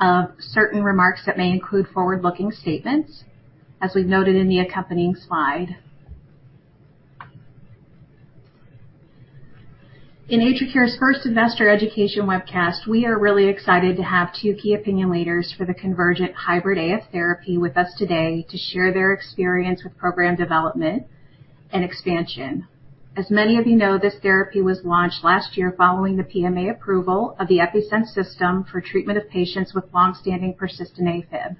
Regarding certain remarks that may include forward-looking statements, as we've noted in the accompanying slide. In AtriCure's first investor education webcast, we are really excited to have two key opinion leaders for the Convergent Hybrid AF Therapy with us today to share their experience with program development and expansion. As many of you know, this therapy was launched last year following the PMA approval of the EPi-Sense system for treatment of patients with long-standing persistent AFib.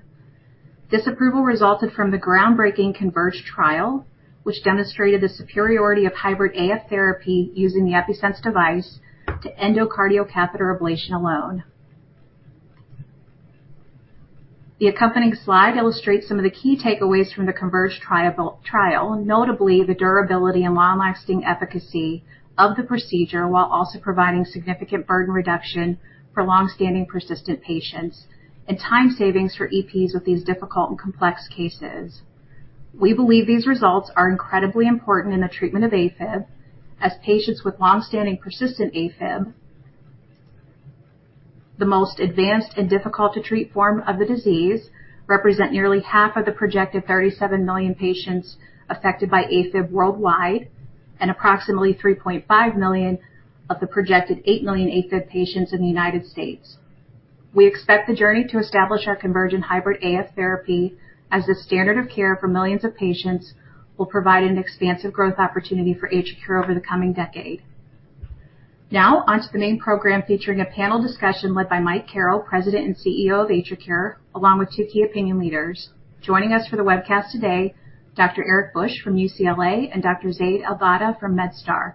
This approval resulted from the groundbreaking CONVERGE trial, which demonstrated the superiority of hybrid AF therapy using the EPi-Sense device to endocardial catheter ablation alone. The accompanying slide illustrates some of the key takeaways from the CONVERGE trial, notably the durability and long-lasting efficacy of the procedure, while also providing significant burden reduction for long-standing persistent patients and time savings for EPs with these difficult and complex cases. We believe these results are incredibly important in the treatment of AFib. Patients with long-standing persistent AFib, the most advanced and difficult to treat form of the disease, represent nearly half of the projected 37 million patients affected by AFib worldwide and approximately 3.5 million of the projected 8 million AFib patients in the United States. We expect the journey to establish our Convergent hybrid AF therapy as the standard of care for millions of patients will provide an expansive growth opportunity for AtriCure over the coming decade. Now, onto the main program, featuring a panel discussion led by Michael Carrel, President and CEO of AtriCure, along with two key opinion leaders. Joining us for the webcast today, Dr. Eric Buch from UCLA and Dr. Zayd Eldadah from MedStar.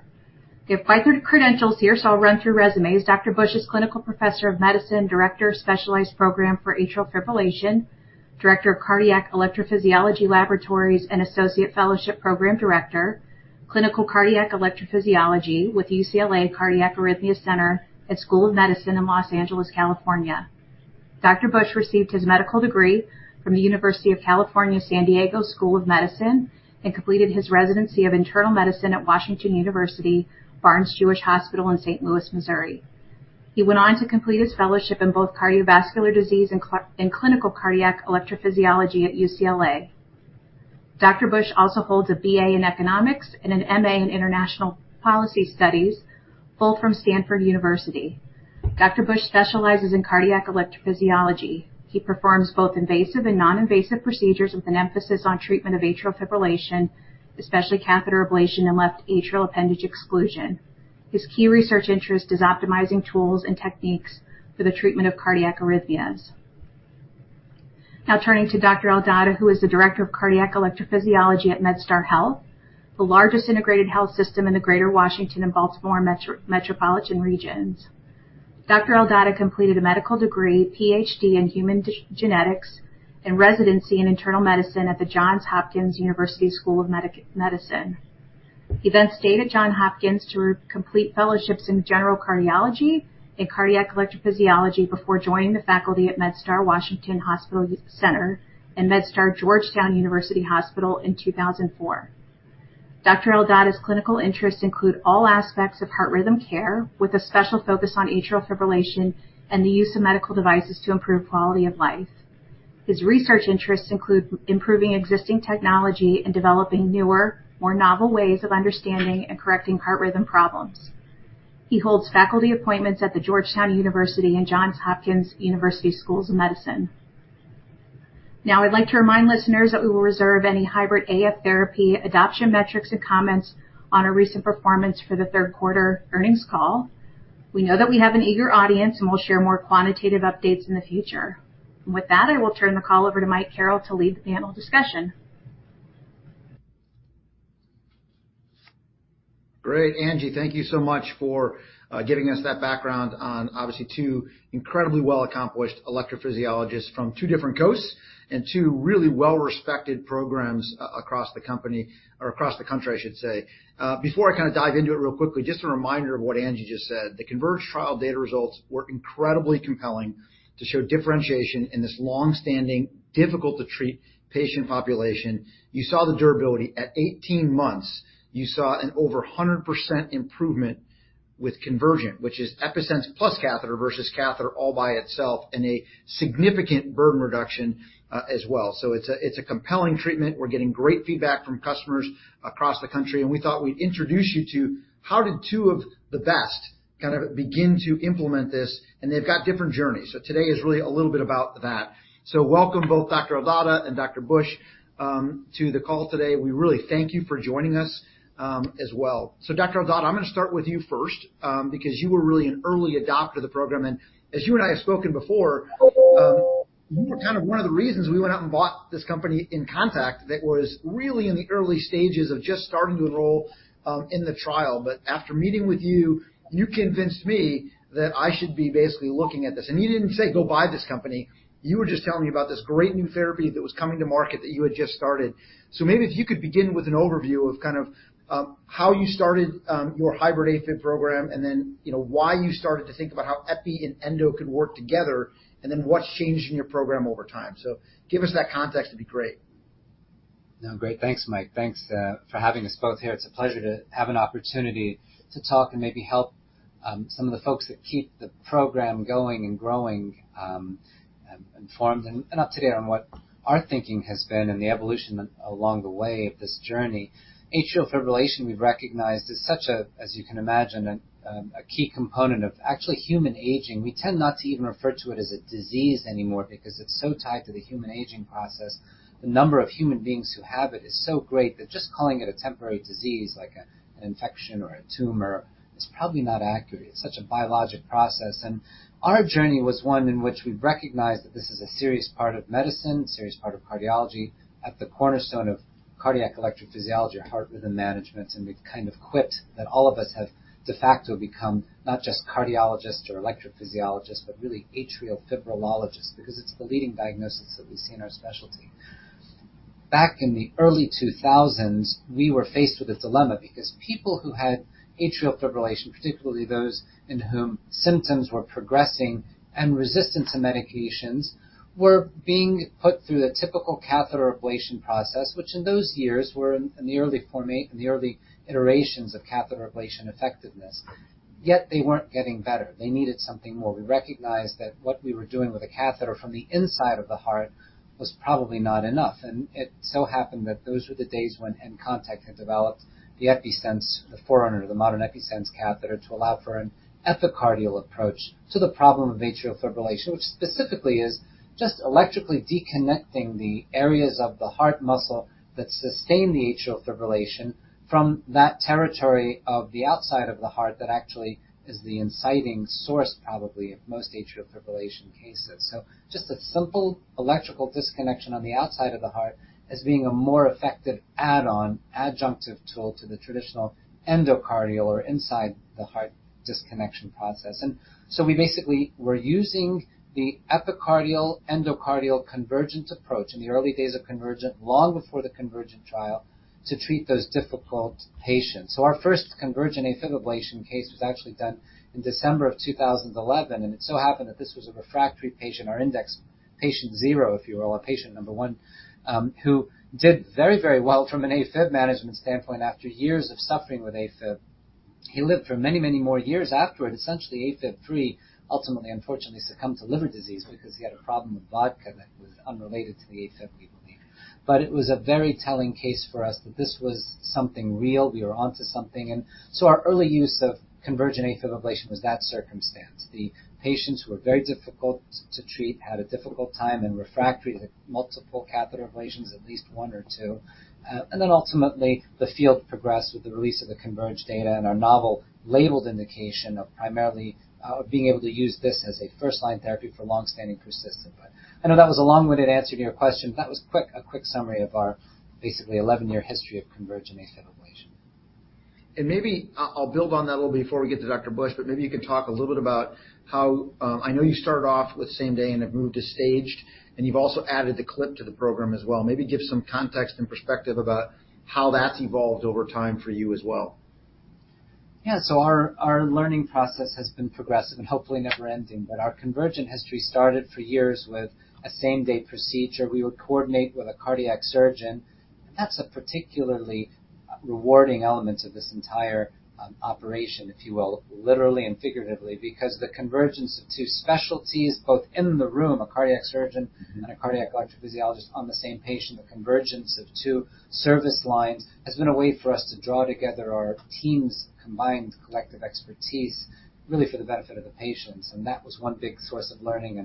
They have quite the credentials here, so I'll run through resumes. Dr. Buch is Clinical Professor of Medicine, Director of Specialized Program for Atrial Fibrillation, Director of Cardiac Electrophysiology Laboratories, and Associate Fellowship Program Director, Clinical Cardiac Electrophysiology with UCLA Cardiac Arrhythmia Center at School of Medicine in Los Angeles, California. Dr. Buch received his medical degree from the University of California San Diego School of Medicine and completed his residency of internal medicine at Washington University Barnes-Jewish Hospital in St. Louis, Missouri. He went on to complete his fellowship in both cardiovascular disease and clinical cardiac electrophysiology at UCLA. Dr. Buch also holds a BA in economics and an MA in international policy studies, both from Stanford University. Dr. Buch specializes in cardiac electrophysiology. He performs both invasive and non-invasive procedures with an emphasis on treatment of atrial fibrillation, especially catheter ablation and left atrial appendage exclusion. His key research interest is optimizing tools and techniques for the treatment of cardiac arrhythmias. Now turning to Dr. Eldadah, who is the Director of Cardiac Electrophysiology at MedStar Health, the largest integrated health system in the Greater Washington and Baltimore metropolitan regions. Dr. Eldadah completed a medical degree, PhD in human genetics and residency in internal medicine at the Johns Hopkins University School of Medicine. He then stayed at Johns Hopkins to complete fellowships in general cardiology and cardiac electrophysiology before joining the faculty at MedStar Washington Hospital Center and MedStar Georgetown University Hospital in 2004. Dr. Eldadah's clinical interests include all aspects of heart rhythm care, with a special focus on atrial fibrillation and the use of medical devices to improve quality of life. His research interests include improving existing technology and developing newer, more novel ways of understanding and correcting heart rhythm problems. He holds faculty appointments at the Georgetown University and Johns Hopkins University Schools of Medicine. Now, I'd like to remind listeners that we will reserve any hybrid AF therapy adoption metrics and comments on our recent performance for the third quarter earnings call. We know that we have an eager audience, and we'll share more quantitative updates in the future. With that, I will turn the call over to Mike Carrel to lead the panel discussion. Great. Angie, thank you so much for giving us that background on obviously two incredibly well-accomplished electrophysiologists from two different coasts and two really well-respected programs across the company or across the country, I should say. Before I kinda dive into it real quickly, just a reminder of what Angie just said. The CONVERGE trial data results were incredibly compelling to show differentiation in this long-standing, difficult to treat patient population. You saw the durability. At 18 months, you saw an over 100% improvement with conversion, which is EPi-Sense plus catheter versus catheter all by itself, and a significant burden reduction, as well. It's a compelling treatment. We're getting great feedback from customers across the country, and we thought we'd introduce you to how did two of the best kind of begin to implement this, and they've got different journeys. Today is really a little bit about that. Welcome both Dr. Eldadah and Dr. Buch to the call today. We really thank you for joining us, as well. Dr. Eldadah, I'm gonna start with you first, because you were really an early adopter of the program. As you and I have spoken before, you were kind of one of the reasons we went out and bought this company nContact that was really in the early stages of just starting to enroll in the trial. After meeting with you convinced me that I should be basically looking at this. You didn't say, "Go buy this company." You were just telling me about this great new therapy that was coming to market that you had just started. Maybe if you could begin with an overview of kind of how you started your hybrid AFib program and then, you know, why you started to think about how Epi and Endo could work together, and then what's changed in your program over time. Give us that context. It'd be great. No, great. Thanks, Mike. Thanks for having us both here. It's a pleasure to have an opportunity to talk and maybe help some of the folks that keep the program going and growing informed and up to date on what our thinking has been and the evolution along the way of this journey. Atrial fibrillation, we've recognized, is such a, as you can imagine, a key component of actually human aging. We tend not to even refer to it as a disease anymore because it's so tied to the human aging process. The number of human beings who have it is so great that just calling it a temporary disease, like an infection or a tumor, is probably not accurate. It's such a biologic process. Our journey was one in which we've recognized that this is a serious part of medicine, serious part of cardiology at the cornerstone of cardiac electrophysiology or heart rhythm management, and we've kind of quit, that all of us have de facto become not just cardiologists or electrophysiologists, but really atrial fibrillologists because it's the leading diagnosis that we see in our specialty. Back in the early 2000s, we were faced with a dilemma because people who had atrial fibrillation, particularly those in whom symptoms were progressing and resistant to medications, were being put through the typical catheter ablation process, which in those years were in the early iterations of catheter ablation effectiveness. Yet they weren't getting better. They needed something more. We recognized that what we were doing with a catheter from the inside of the heart was probably not enough, and it so happened that those were the days when nContact had developed the EPi-Sense, the forerunner to the modern EPi-Sense catheter, to allow for an epicardial approach to the problem of atrial fibrillation. Which specifically is just electrically deconnecting the areas of the heart muscle that sustain the atrial fibrillation from that territory of the outside of the heart that actually is the inciting source, probably, of most atrial fibrillation cases. Just a simple electrical disconnection on the outside of the heart as being a more effective add-on, adjunctive tool to the traditional endocardial or inside the heart disconnection process. We basically were using the epicardial, endocardial Convergent approach in the early days of Convergent, long before the CONVERGE trial, to treat those difficult patients. Our first Convergent AFib ablation case was actually done in December 2011, and it so happened that this was a refractory patient, our index patient zero, if you will, or patient number one, who did very, very well from an AFib management standpoint after years of suffering with AFib. He lived for many, many more years afterward, essentially AFib free. Ultimately, unfortunately succumbed to liver disease because he had a problem with vodka that was unrelated to the AFib, we believe. It was a very telling case for us that this was something real, we were onto something, and so our early use of Convergent AFib ablation was that circumstance. The patients who were very difficult to treat, had a difficult time and refractory to multiple catheter ablations, at least one or two. Ultimately, the field progressed with the release of the CONVERGE data and our novel labeled indication of primarily being able to use this as a first-line therapy for long-standing persistent. I know that was a long-winded answer to your question. That was a quick summary of our basically 11-year history of Convergent AFib ablation. Maybe I'll build on that a little before we get to Dr. Buch, but maybe you can talk a little bit about how, I know you started off with same-day and have moved to staged, and you've also added the clip to the program as well. Maybe give some context and perspective about how that's evolved over time for you as well. Yeah. Our learning process has been progressive and hopefully never ending. Our Convergent history started four years with a same-day procedure. We would coordinate with a cardiac surgeon. That's a particularly rewarding element of this entire operation, if you will, literally and figuratively, because the convergence of two specialties, both in the room, a cardiac surgeon and a cardiac electrophysiologist on the same patient. The convergence of two service lines has been a way for us to draw together our team's combined collective expertise really for the benefit of the patients. That was one big source of learning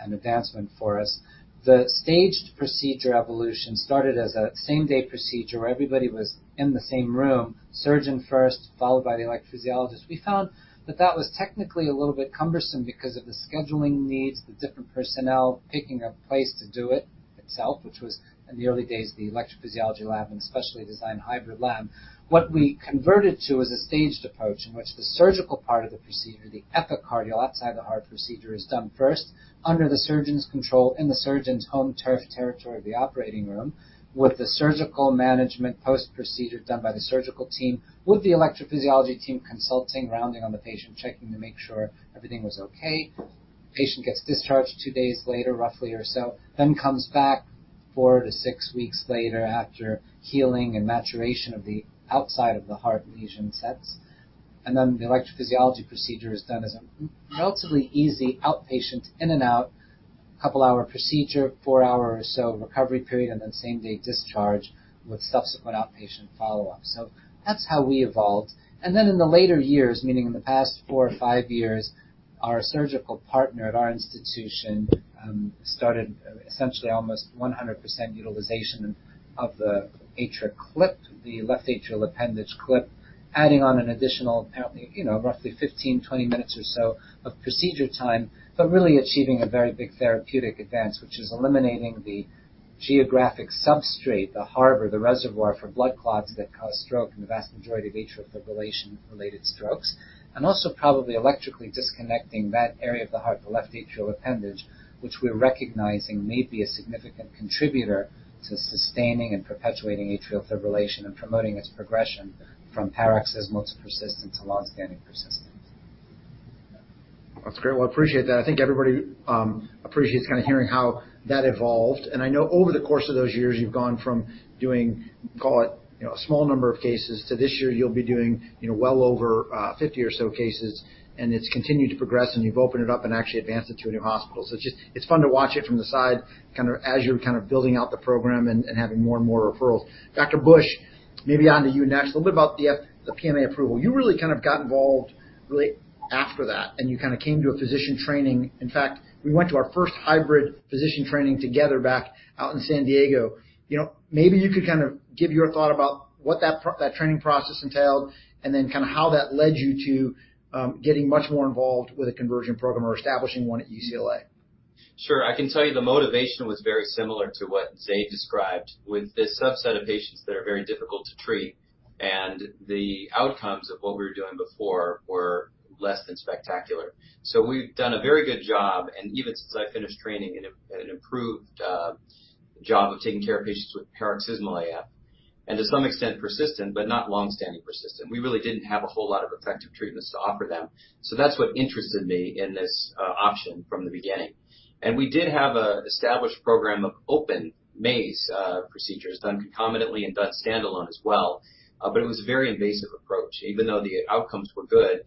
and advancement for us. The staged procedure evolution started as a same-day procedure where everybody was in the same room, surgeon first, followed by the electrophysiologist. We found that was technically a little bit cumbersome because of the scheduling needs, the different personnel, picking a place to do it itself, which was, in the early days, the electrophysiology lab and specially designed hybrid lab. What we converted to was a staged approach in which the surgical part of the procedure, the epicardial outside the heart procedure, is done first under the surgeon's control in the surgeon's home turf territory of the operating room with the surgical management post-procedure done by the surgical team with the electrophysiology team consulting, rounding on the patient, checking to make sure everything was okay. Patient gets discharged 2 days later, roughly or so, then comes back 4-6 weeks later after healing and maturation of the outside of the heart lesion sets. The electrophysiology procedure is done as a relatively easy outpatient in and out, couple-hour procedure, 4-hour or so recovery period, and then same-day discharge with subsequent outpatient follow-up. That's how we evolved. In the later years, meaning in the past four or five years, our surgical partner at our institution started essentially almost 100% utilization of the AtriClip, the left atrial appendage clip, adding on an additional, apparently, roughly 15, 20 minutes or so of procedure time. Really achieving a very big therapeutic advance, which is eliminating the geographic substrate, the harbor, the reservoir for blood clots that cause stroke and the vast majority of atrial fibrillation-related strokes, and also probably electrically disconnecting that area of the heart, the left atrial appendage, which we're recognizing may be a significant contributor to sustaining and perpetuating atrial fibrillation and promoting its progression from paroxysmal to persistent to long-standing persistent. That's great. Well, I appreciate that. I think everybody appreciates kinda hearing how that evolved. I know over the course of those years, you've gone from doing, call it, you know, a small number of cases to this year you'll be doing, you know, well over 50 or so cases, and it's continued to progress, and you've opened it up and actually advanced it to a new hospital. It's just fun to watch it from the side kind of as you're kind of building out the program and having more and more referrals. Dr. Buch, maybe on to you next. A little bit about the PMA approval. You really kind of got involved really after that, and you kinda came to a physician training. In fact, we went to our first hybrid physician training together back out in San Diego. You know, maybe you could kind of give your thought about what that training process entailed and then kinda how that led you to getting much more involved with a Convergent program or establishing one at UCLA? Sure. I can tell you the motivation was very similar to what Zayd described with this subset of patients that are very difficult to treat, and the outcomes of what we were doing before were less than spectacular. We've done a very good job, and even since I finished training, an improved job of taking care of patients with paroxysmal AF, and to some extent persistent, but not long-standing persistent. We really didn't have a whole lot of effective treatments to offer them. That's what interested me in this option from the beginning. We did have an established program of open maze procedures done concomitantly and done standalone as well, but it was a very invasive approach. Even though the outcomes were good,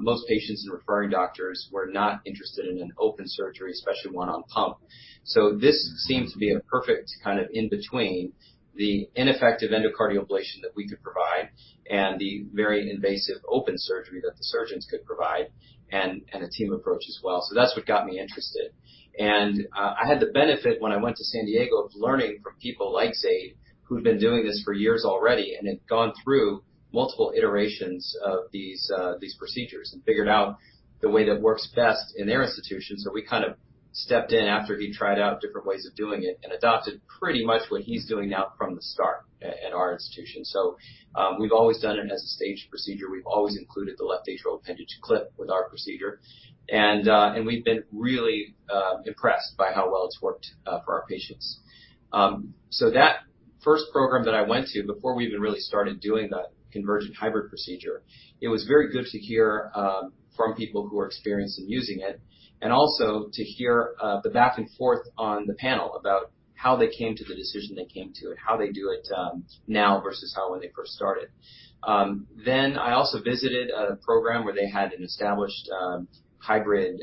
most patients and referring doctors were not interested in an open surgery, especially one on pump. This seems to be a perfect kind of in between the ineffective endocardial ablation that we could provide and the very invasive open surgery that the surgeons could provide and a team approach as well. That's what got me interested. I had the benefit when I went to San Diego of learning from people like Zayd, who'd been doing this for years already and had gone through multiple iterations of these procedures and figured out the way that works best in their institution. We kind of stepped in after he tried out different ways of doing it and adopted pretty much what he's doing now from the start at our institution. We've always done it as a staged procedure. We've always included the left atrial appendage clip with our procedure. We've been really impressed by how well it's worked for our patients. That first program that I went to before we even really started doing the Convergent hybrid procedure, it was very good to hear from people who are experienced in using it, and also to hear the back and forth on the panel about how they came to the decision they came to and how they do it now versus how when they first started. I also visited a program where they had an established hybrid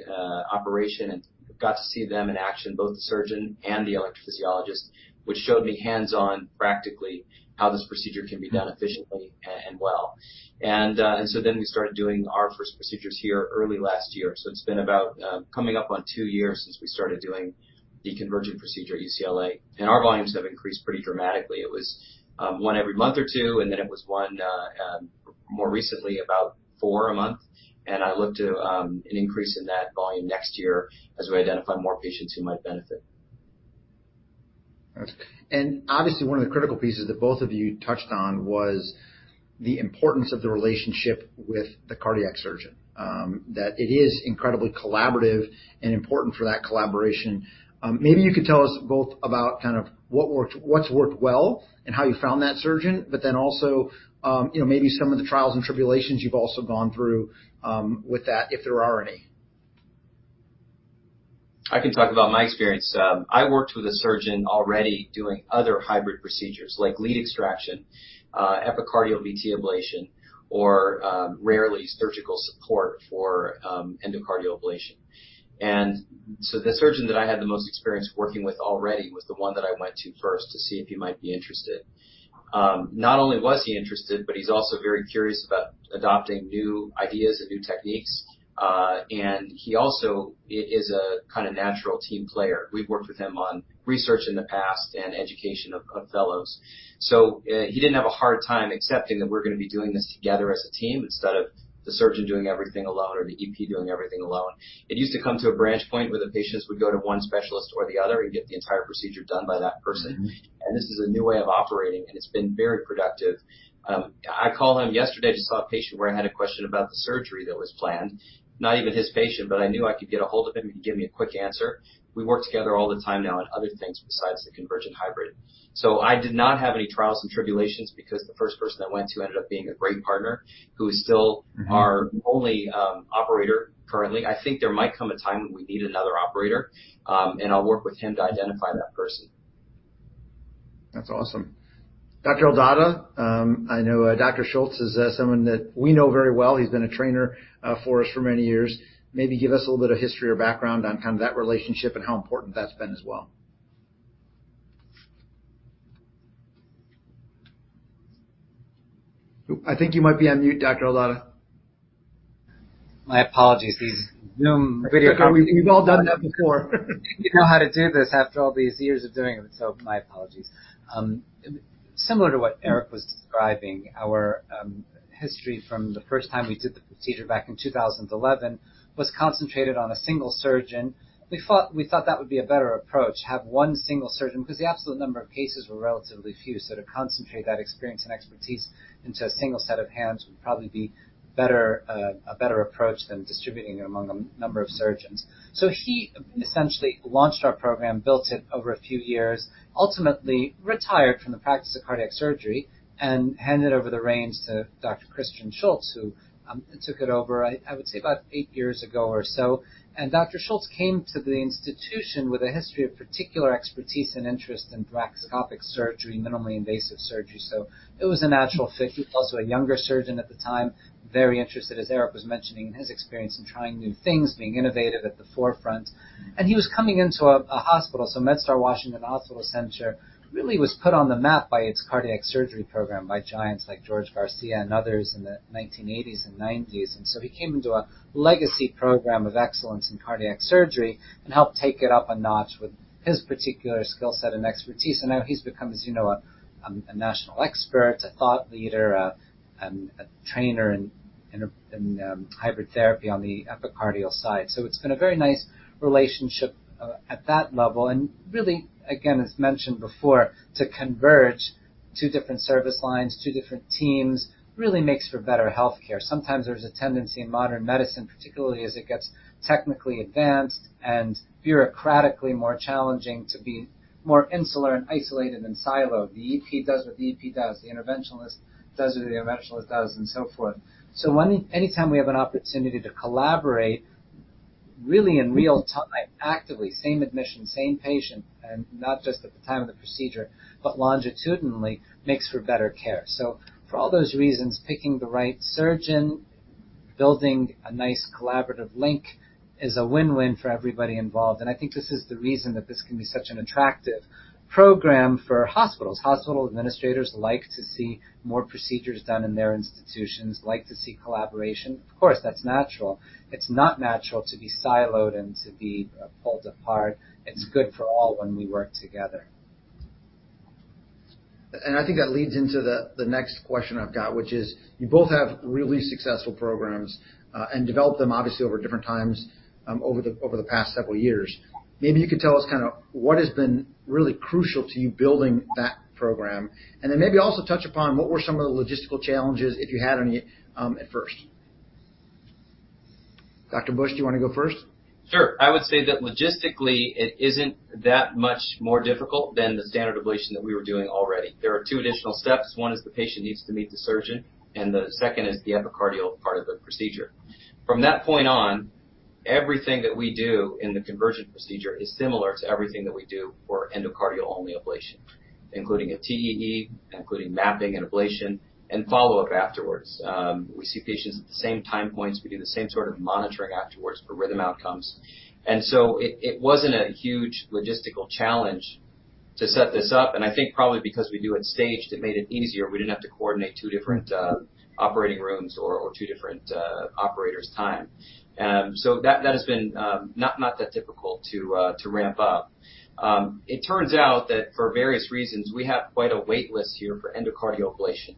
operation and got to see them in action, both the surgeon and the electrophysiologist, which showed me hands-on practically how this procedure can be done efficiently and well. We started doing our first procedures here early last year. It's been about coming up on 2 years since we started doing the Convergent procedure at UCLA. Our volumes have increased pretty dramatically. It was 1 every month or two, and then it was 1 more recently, about 4 a month. I look to an increase in that volume next year as we identify more patients who might benefit. All right. Obviously one of the critical pieces that both of you touched on was the importance of the relationship with the cardiac surgeon, that it is incredibly collaborative and important for that collaboration. Maybe you could tell us both about kind of what's worked well and how you found that surgeon, but then also, you know, maybe some of the trials and tribulations you've also gone through, with that, if there are any. I can talk about my experience. I worked with a surgeon already doing other hybrid procedures like lead extraction, epicardial VT ablation, or rarely surgical support for endocardial ablation. The surgeon that I had the most experience working with already was the one that I went to first to see if he might be interested. Not only was he interested, but he's also very curious about adopting new ideas and new techniques. He also is a kinda natural team player. We've worked with him on research in the past and education of fellows. He didn't have a hard time accepting that we're gonna be doing this together as a team instead of the surgeon doing everything alone or the EP doing everything alone. It used to come to a branch point where the patients would go to one specialist or the other and get the entire procedure done by that person. Mm-hmm. This is a new way of operating, and it's been very productive. I called him yesterday to see a patient where I had a question about the surgery that was planned, not even his patient, but I knew I could get ahold of him. He'd give me a quick answer. We work together all the time now on other things besides the Convergent hybrid. I did not have any trials and tribulations because the first person I went to ended up being a great partner who is still. Mm-hmm. Our only operator currently. I think there might come a time when we need another operator, and I'll work with him to identify that person. That's awesome. Dr. Zayd Eldadah, I know, Dr. Christian Schultz is someone that we know very well. He's been a trainer for us for many years. Maybe give us a little bit of history or background on kind of that relationship and how important that's been as well. I think you might be on mute, Dr. Zayd Eldadah. My apologies. These Zoom video conferences. We've all done that before. You'd think I'd know how to do this after all these years of doing them. My apologies. Similar to what Eric was describing, our history from the first time we did the procedure back in 2011 was concentrated on a single surgeon. We thought that would be a better approach, have one single surgeon, because the absolute number of cases were relatively few. To concentrate that experience and expertise into a single set of hands would probably be better, a better approach than distributing it among a number of surgeons. He essentially launched our program, built it over a few years, ultimately retired from the practice of cardiac surgery and handed over the reins to Dr. Christian Schultz, who took it over, I would say about eight years ago or so. Dr. Schultz came to the institution with a history of particular expertise and interest in thoracoscopic surgery, minimally invasive surgery. It was a natural fit. He was also a younger surgeon at the time, very interested, as Eric Buch was mentioning, in his experience in trying new things, being innovative at the forefront. He was coming into a hospital. MedStar Washington Hospital Center really was put on the map by its cardiac surgery program by giants like George Garcia and others in the 1980s and 1990s. He came into a legacy program of excellence in cardiac surgery and helped take it up a notch with his particular skill set and expertise. Now he's become, as you know, a national expert, a thought leader, a trainer in hybrid therapy on the epicardial side. It's been a very nice relationship at that level. Really, again, as mentioned before, to converge two different service lines, two different teams, really makes for better healthcare. Sometimes there's a tendency in modern medicine, particularly as it gets technically advanced and bureaucratically more challenging to be more insular and isolated and siloed. The EP does what the EP does, the interventionalist does what the interventionalist does, and so forth. Anytime we have an opportunity to collaborate really in real time, actively, same admission, same patient, and not just at the time of the procedure, but longitudinally makes for better care. For all those reasons, picking the right surgeon, building a nice collaborative link is a win-win for everybody involved. I think this is the reason that this can be such an attractive program for hospitals. Hospital administrators like to see more procedures done in their institutions, like to see collaboration. Of course, that's natural. It's not natural to be siloed and to be pulled apart. It's good for all when we work together. I think that leads into the next question I've got, which is you both have really successful programs, and developed them obviously over different times, over the past several years. Maybe you could tell us kind of what has been really crucial to you building that program, and then maybe also touch upon what were some of the logistical challenges, if you had any, at first. Dr. Buch, do you want to go first? Sure. I would say that logistically it isn't that much more difficult than the standard ablation that we were doing already. There are two additional steps. One is the patient needs to meet the surgeon, and the second is the epicardial part of the procedure. From that point on, everything that we do in the Convergent procedure is similar to everything that we do for endocardial-only ablation, including a TEE, including mapping and ablation, and follow-up afterwards. We see patients at the same time points. We do the same sort of monitoring afterwards for rhythm outcomes. It wasn't a huge logistical challenge to set this up. I think probably because we do it staged, it made it easier. We didn't have to coordinate two different operating rooms or two different operators' time. That has been not that difficult to ramp up. It turns out that for various reasons, we have quite a wait list here for endocardial ablation.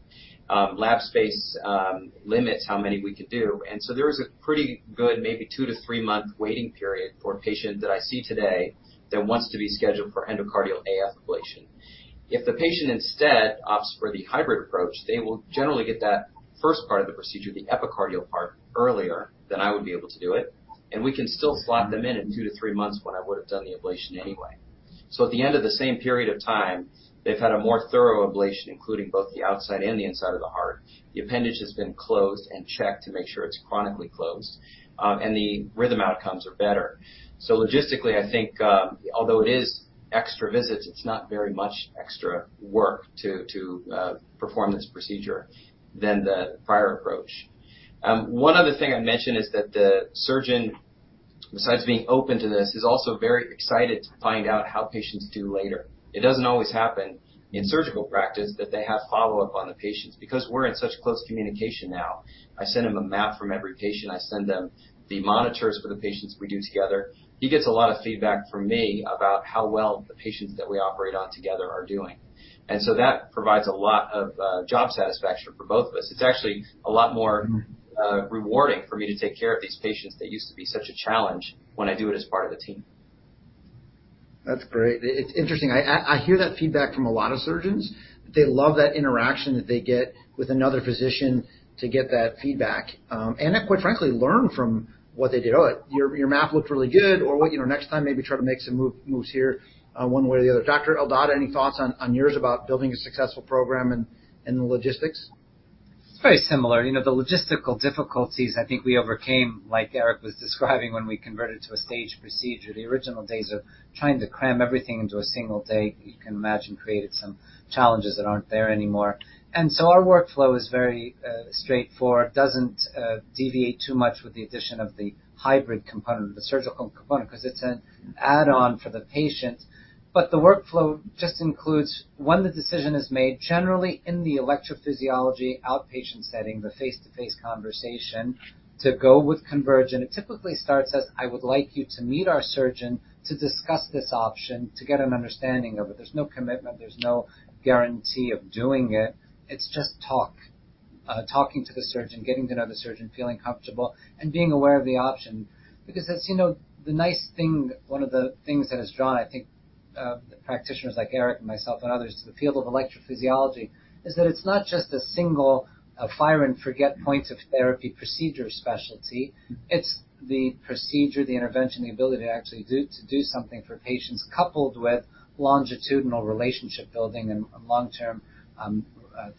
Lab space limits how many we can do. There is a pretty good maybe 2-3 month waiting period for a patient that I see today that wants to be scheduled for endocardial AF ablation. If the patient instead opts for the hybrid approach, they will generally get that first part of the procedure, the epicardial part, earlier than I would be able to do it. We can still slot them in at 2-3 months when I would have done the ablation anyway. At the end of the same period of time, they've had a more thorough ablation, including both the outside and the inside of the heart. The appendage has been closed and checked to make sure it's chronically closed, and the rhythm outcomes are better. Logistically, I think, although it is extra visits, it's not very much extra work to perform this procedure than the prior approach. One other thing I'd mention is that the surgeon, besides being open to this, is also very excited to find out how patients do later. It doesn't always happen in surgical practice that they have follow-up on the patients. Because we're in such close communication now, I send him a map from every patient. I send him the monitors for the patients we do together. He gets a lot of feedback from me about how well the patients that we operate on together are doing. That provides a lot of job satisfaction for both of us. It's actually a lot more rewarding for me to take care of these patients that used to be such a challenge when I do it as part of a team. That's great. It's interesting. I hear that feedback from a lot of surgeons. They love that interaction that they get with another physician to get that feedback, and quite frankly, learn from what they do. Oh, your map looked really good or what, you know, next time maybe try to make some moves here, one way or the other. Dr. Zayd Eldadah, any thoughts on yours about building a successful program and the logistics? It's very similar. You know, the logistical difficulties I think we overcame, like Eric was describing when we converted to a staged procedure. The original days of trying to cram everything into a single day, you can imagine, created some challenges that aren't there anymore. Our workflow is very straightforward. It doesn't deviate too much with the addition of the hybrid component or the surgical component 'cause it's an add-on for the patient. The workflow just includes when the decision is made, generally in the electrophysiology outpatient setting, the face-to-face conversation to go with Convergent. It typically starts as, "I would like you to meet our surgeon to discuss this option to get an understanding of it." There's no commitment. There's no guarantee of doing it. It's just talk. Talking to the surgeon, getting to know the surgeon, feeling comfortable, and being aware of the option. Because as you know, the nice thing, one of the things that has drawn, I think, the practitioners like Eric and myself and others to the field of electrophysiology is that it's not just a single fire and forget point of therapy procedure specialty. It's the procedure, the intervention, the ability to actually do something for patients, coupled with longitudinal relationship building and long-term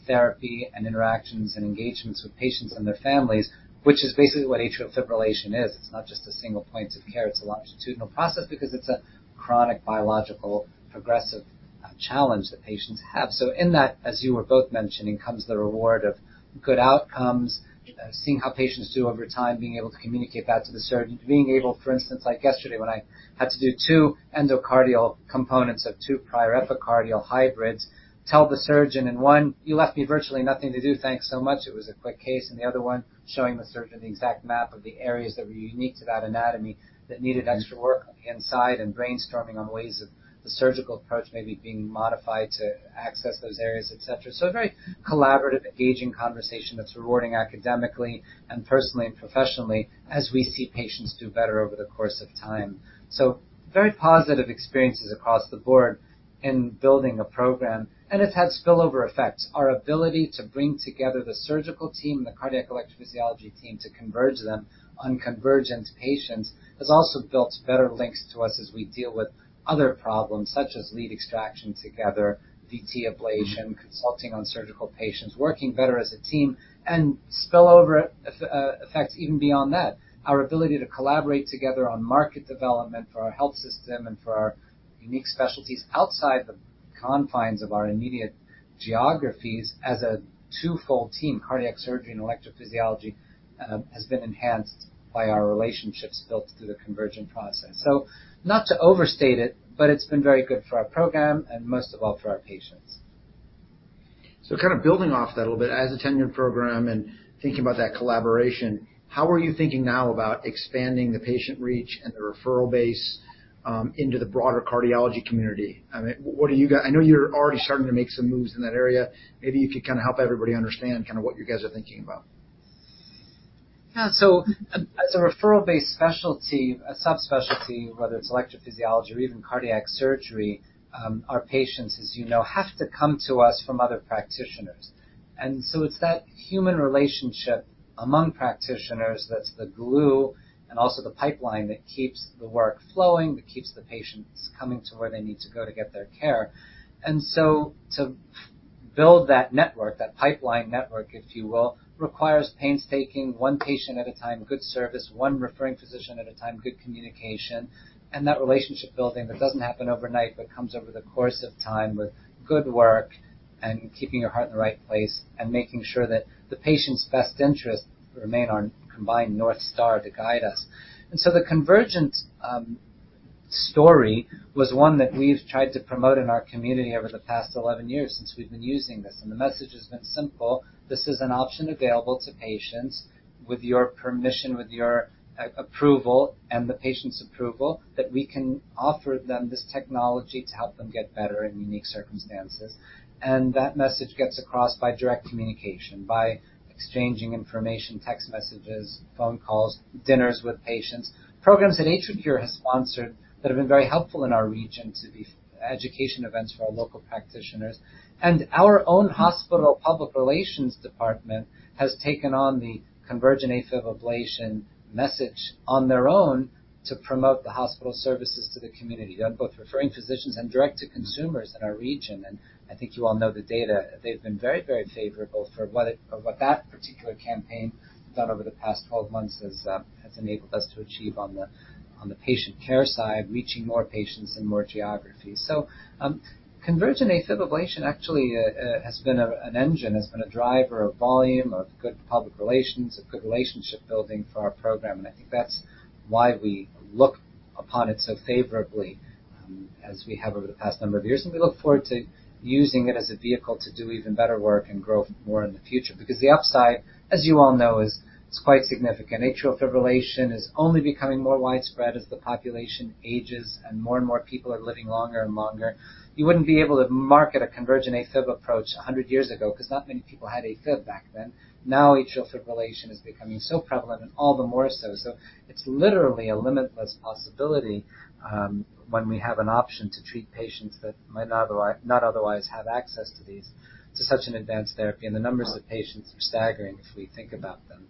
therapy and interactions and engagements with patients and their families, which is basically what atrial fibrillation is. It's not just a single point of care. It's a longitudinal process because it's a chronic biological, progressive challenge that patients have. In that, as you were both mentioning, comes the reward of good outcomes, seeing how patients do over time, being able to communicate that to the surgeon. Being able, for instance, like yesterday when I had to do two endocardial components of two prior epicardial hybrids, tell the surgeon in one, "You left me virtually nothing to do. Thanks so much. It was a quick case." And the other one, showing the surgeon the exact map of the areas that were unique to that anatomy that needed extra work on the inside and brainstorming on ways that the surgical approach may be being modified to access those areas, et cetera. A very collaborative, engaging conversation that's rewarding academically and personally and professionally as we see patients do better over the course of time. Very positive experiences across the board in building a program, and it has spillover effects. Our ability to bring together the surgical team, the cardiac electrophysiology team to converge them on Convergent patients has also built better links to us as we deal with other problems, such as lead extraction together, VT ablation, consulting on surgical patients, working better as a team, and spillover effects even beyond that. Our ability to collaborate together on market development for our health system and for our unique specialties outside the confines of our immediate geographies as a twofold team, cardiac surgery and electrophysiology, has been enhanced by our relationships built through the Convergent process. Not to overstate it, but it's been very good for our program and most of all for our patients. Kind of building off that a little bit as a tenured program and thinking about that collaboration, how are you thinking now about expanding the patient reach and the referral base into the broader cardiology community? I mean, I know you're already starting to make some moves in that area. Maybe you could kinda help everybody understand kinda what you guys are thinking about. Yeah. As a referral-based specialty, a subspecialty, whether it's electrophysiology or even cardiac surgery, our patients, as you know, have to come to us from other practitioners. It's that human relationship among practitioners that's the glue and also the pipeline that keeps the work flowing, that keeps the patients coming to where they need to go to get their care. To build that network, that pipeline network, if you will, requires painstaking one patient at a time, good service, one referring physician at a time, good communication, and that relationship building that doesn't happen overnight, but comes over the course of time with good work and keeping your heart in the right place and making sure that the patient's best interest remain our combined North Star to guide us. The Convergent story was one that we've tried to promote in our community over the past 11 years since we've been using this, and the message has been simple. This is an option available to patients with your permission, with your approval and the patient's approval, that we can offer them this technology to help them get better in unique circumstances. That message gets across by direct communication, by exchanging information, text messages, phone calls, dinners with patients. Programs that AtriCure has sponsored that have been very helpful in our region to be education events for our local practitioners. Our own hospital public relations department has taken on the Convergent AFib ablation message on their own to promote the hospital services to the community, on both referring physicians and direct to consumers in our region. I think you all know the data. They've been very, very favorable for what that particular campaign done over the past 12 months has enabled us to achieve on the patient care side, reaching more patients in more geographies. Convergent AFib ablation actually has been an engine, has been a driver of volume, of good public relations, of good relationship building for our program. I think that's why we look upon it so favorably, as we have over the past number of years. We look forward to using it as a vehicle to do even better work and grow more in the future. Because the upside, as you all know, is quite significant. Atrial fibrillation is only becoming more widespread as the population ages and more and more people are living longer and longer. You wouldn't be able to market a convergent AFib approach 100 years ago because not many people had AFib back then. Now, atrial fibrillation is becoming so prevalent and all the more so. It's literally a limitless possibility when we have an option to treat patients that might not otherwise have access to these, to such an advanced therapy. The numbers of patients are staggering if we think about them.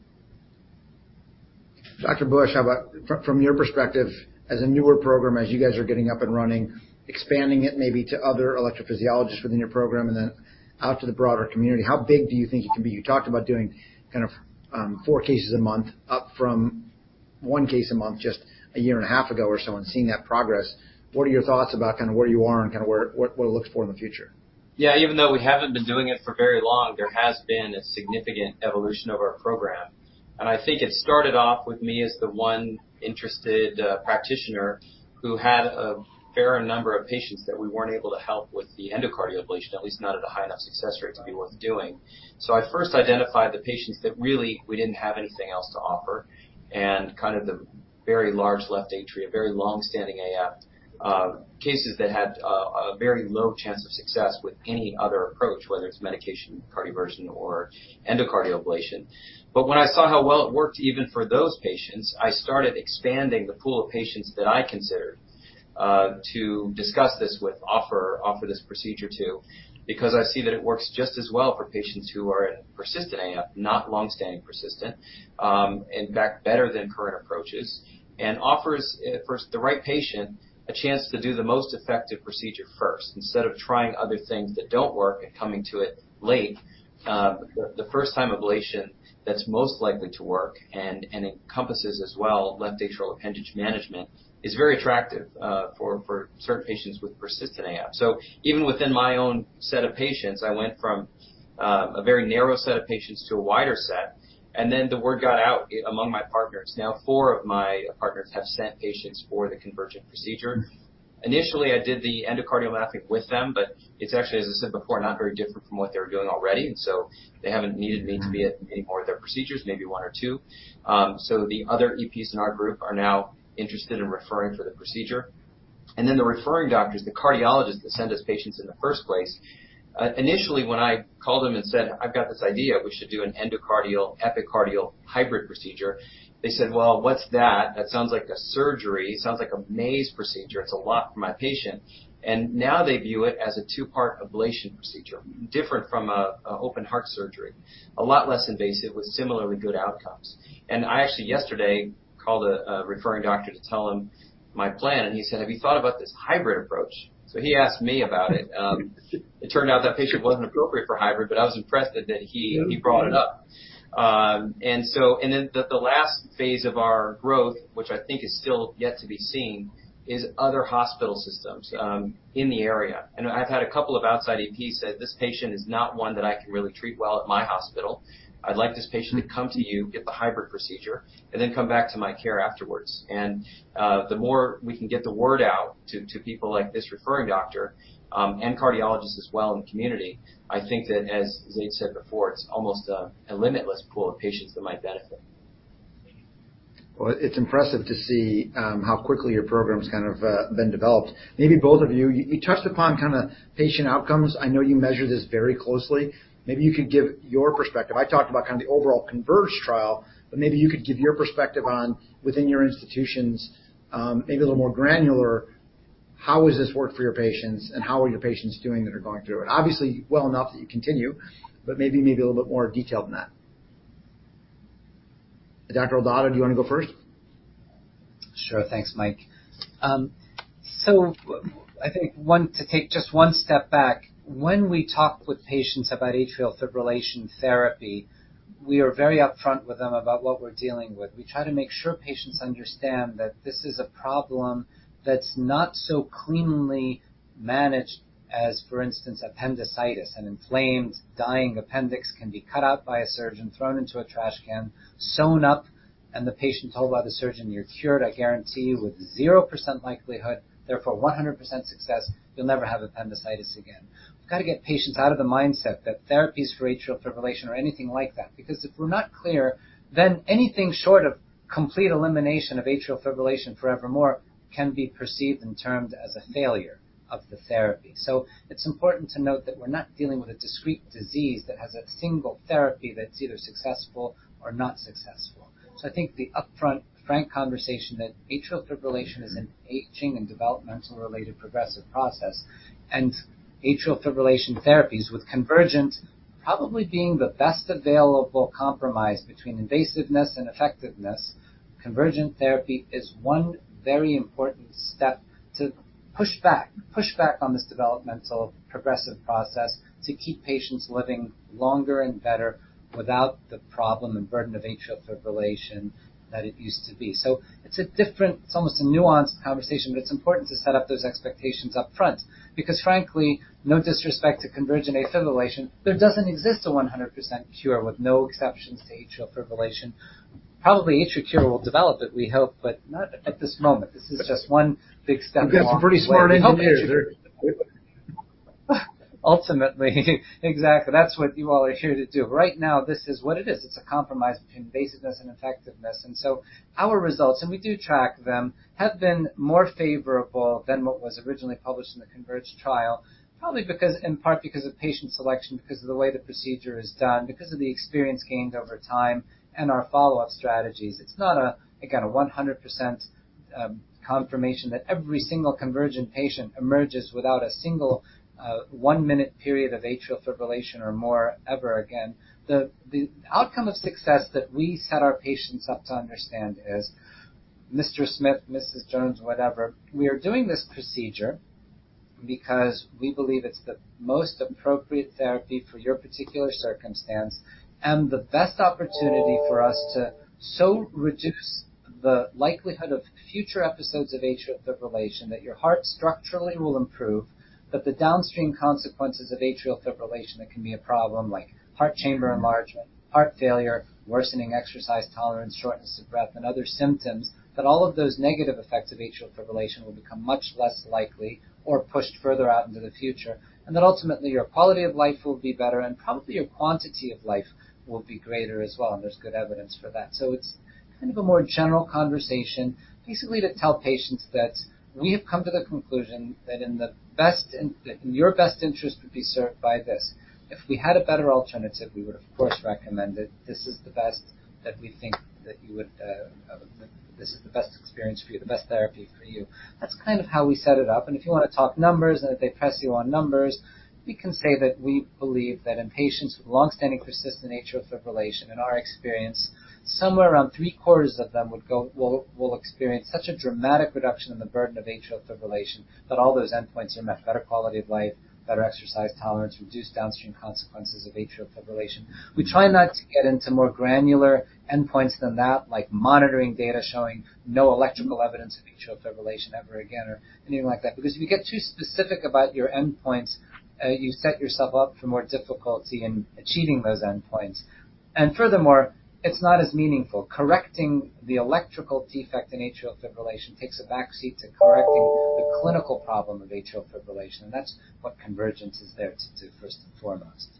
Dr. Buch, how about from your perspective as a newer program, as you guys are getting up and running, expanding it maybe to other electrophysiologists within your program and then out to the broader community, how big do you think it can be? You talked about doing kind of four cases a month up from one case a month just a year and a half ago or so and seeing that progress. What are your thoughts about kinda where you are and kinda where what it looks like for in the future? Yeah. Even though we haven't been doing it for very long, there has been a significant evolution of our program. I think it started off with me as the one interested practitioner who had a fair number of patients that we weren't able to help with the endocardial ablation, at least not at a high enough success rate to be worth doing. I first identified the patients that really we didn't have anything else to offer, and kind of the very large left atria, very long-standing AF cases that had a very low chance of success with any other approach, whether it's medication, cardioversion, or endocardial ablation. When I saw how well it worked even for those patients, I started expanding the pool of patients that I considered to discuss this with, offer this procedure to, because I see that it works just as well for patients who are at persistent AF, not long-standing persistent, in fact, better than current approaches, and offers for the right patient a chance to do the most effective procedure first. Instead of trying other things that don't work and coming to it late, the first time ablation that's most likely to work and encompasses as well left atrial appendage management is very attractive for certain patients with persistent AF. Even within my own set of patients, I went from a very narrow set of patients to a wider set, and then the word got out among my partners. Now, four of my partners have sent patients for the Convergent procedure. Initially, I did the endocardial mapping with them, but it's actually, as I said before, not very different from what they were doing already, and so they haven't needed me to be at any more of their procedures, maybe one or two. The other EPs in our group are now interested in referring for the procedure. Then the referring doctors, the cardiologists that send us patients in the first place, initially, when I called them and said, "I've got this idea, we should do an endocardial-epicardial hybrid procedure," they said, "Well, what's that? That sounds like a surgery. It sounds like a maze procedure. It's a lot for my patient." Now they view it as a two-part ablation procedure, different from a open heart surgery. A lot less invasive with similarly good outcomes. I actually yesterday called a referring doctor to tell him my plan, and he said, "Have you thought about this hybrid approach?" He asked me about it. It turned out that patient wasn't appropriate for hybrid, but I was impressed that he brought it up. The last phase of our growth, which I think is still yet to be seen, is other hospital systems in the area. I've had a couple of outside EPs say, "This patient is not one that I can really treat well at my hospital. I'd like this patient to come to you, get the hybrid procedure, and then come back to my care afterwards." The more we can get the word out to people like this referring doctor, and cardiologists as well in the community, I think that as Zayd said before, it's almost a limitless pool of patients that might benefit. Well, it's impressive to see how quickly your program's kind of been developed. Maybe both of you touched upon kinda patient outcomes. I know you measure this very closely. Maybe you could give your perspective. I talked about kind of the overall CONVERGE trial, but maybe you could give your perspective on within your institutions, maybe a little more granular, how has this worked for your patients and how are your patients doing that are going through it? Obviously, well enough that you continue, but maybe a little bit more detail than that. Dr. Eldadah, do you wanna go first? Sure. Thanks, Mike. I think to take just one step back, when we talk with patients about atrial fibrillation therapy, we are very upfront with them about what we're dealing with. We try to make sure patients understand that this is a problem that's not so cleanly managed as, for instance, appendicitis. An inflamed, dying appendix can be cut out by a surgeon, thrown into a trash can, sewn up, and the patient told by the surgeon, "You're cured, I guarantee you, with 0% likelihood, therefore 100% success, you'll never have appendicitis again." We've gotta get patients out of the mindset that therapy is for atrial fibrillation or anything like that. Because if we're not clear, then anything short of complete elimination of atrial fibrillation forevermore can be perceived and termed as a failure of the therapy. It's important to note that we're not dealing with a discrete disease that has a single therapy that's either successful or not successful. I think the upfront, frank conversation that atrial fibrillation is an aging and developmental-related progressive process, and atrial fibrillation therapies, with Convergent probably being the best available compromise between invasiveness and effectiveness, Convergent therapy is one very important step to push back, push back on this developmental progressive process to keep patients living longer and better without the problem and burden of atrial fibrillation that it used to be. It's a different. It's almost a nuanced conversation, but it's important to set up those expectations up front. Because frankly, no disrespect to Convergent atrial fibrillation, there doesn't exist a 100% cure with no exceptions to atrial fibrillation. Probably each cure will develop it, we hope, but not at this moment. This is just one big step along the way. We've got some pretty smart engineers here. Ultimately exactly. That's what you all are here to do. Right now, this is what it is. It's a compromise between invasiveness and effectiveness. Our results, and we do track them, have been more favorable than what was originally published in the CONVERGE trial, probably because, in part because of patient selection, because of the way the procedure is done, because of the experience gained over time and our follow-up strategies. It's not, again, a 100% confirmation that every single Convergent patient emerges without a single, one-minute period of atrial fibrillation or more ever again. The outcome of success that we set our patients up to understand is, "Mr. Smith, Mrs. Jones, whatever, we are doing this procedure because we believe it's the most appropriate therapy for your particular circumstance and the best opportunity for us to reduce the likelihood of future episodes of atrial fibrillation, that your heart structurally will improve, that the downstream consequences of atrial fibrillation that can be a problem, like heart chamber enlargement, heart failure, worsening exercise tolerance, shortness of breath, and other symptoms, that all of those negative effects of atrial fibrillation will become much less likely or pushed further out into the future. That ultimately, your quality of life will be better and probably your quantity of life will be greater as well, and there's good evidence for that. It's kind of a more general conversation, basically to tell patients that we have come to the conclusion that your best interest would be served by this. If we had a better alternative, we would of course recommend it. This is the best that we think that you would, that this is the best experience for you, the best therapy for you. That's kind of how we set it up. If you wanna talk numbers, and if they press you on numbers, we can say that we believe that in patients with long-standing persistent atrial fibrillation, in our experience, somewhere around three-quarters of them would go--will experience such a dramatic reduction in the burden of atrial fibrillation that all those endpoints are met. Better quality of life, better exercise tolerance, reduced downstream consequences of atrial fibrillation. We try not to get into more granular endpoints than that, like monitoring data showing no electrical evidence of atrial fibrillation ever again or anything like that. Because if you get too specific about your endpoints, you set yourself up for more difficulty in achieving those endpoints. Furthermore, it's not as meaningful. Correcting the electrical defect in atrial fibrillation takes a backseat to correcting the clinical problem of atrial fibrillation, and that's what Convergent is there to do first and foremost.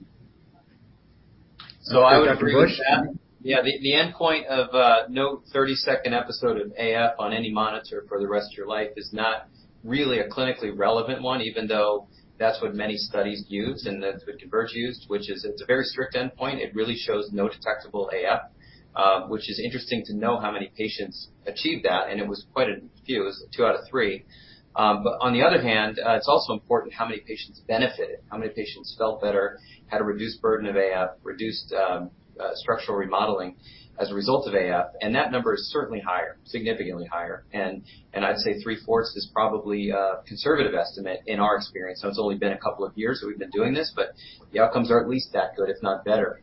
I would agree with that. Dr. Buch? Yeah. The endpoint of no 30-second episode of AF on any monitor for the rest of your life is not really a clinically relevant one, even though that's what many studies use, and that's what CONVERGE used, which is it's a very strict endpoint. It really shows no detectable AF, which is interesting to know how many patients achieved that, and it was quite a few. It was two out of three. But on the other hand, it's also important how many patients benefited. How many patients felt better, had a reduced burden of AF, reduced structural remodeling as a result of AF. That number is certainly higher, significantly higher. I'd say three-fourths is probably a conservative estimate in our experience. Now, it's only been a couple of years that we've been doing this, but the outcomes are at least that good, if not better.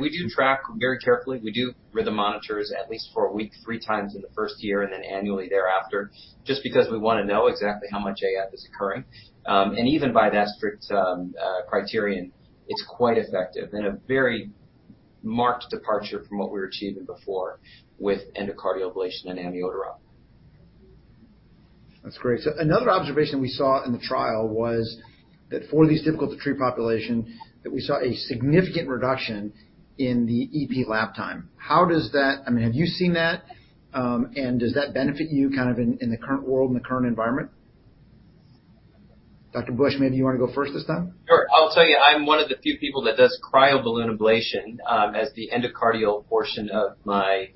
We do track very carefully. We do rhythm monitors at least for a week, three times in the first year, and then annually thereafter, just because we wanna know exactly how much AF is occurring. Even by that strict criterion, it's quite effective. In a very marked departure from what we were achieving before with endocardial ablation and amiodarone. That's great. Another observation we saw in the trial was that for this difficult to treat population, that we saw a significant reduction in the EP lab time. How does that, I mean, have you seen that? Does that benefit you kind of in the current world, in the current environment? Dr. Buch, maybe you wanna go first this time. Sure. I'll tell you, I'm one of the few people that does cryoballoon ablation as the endocardial portion of my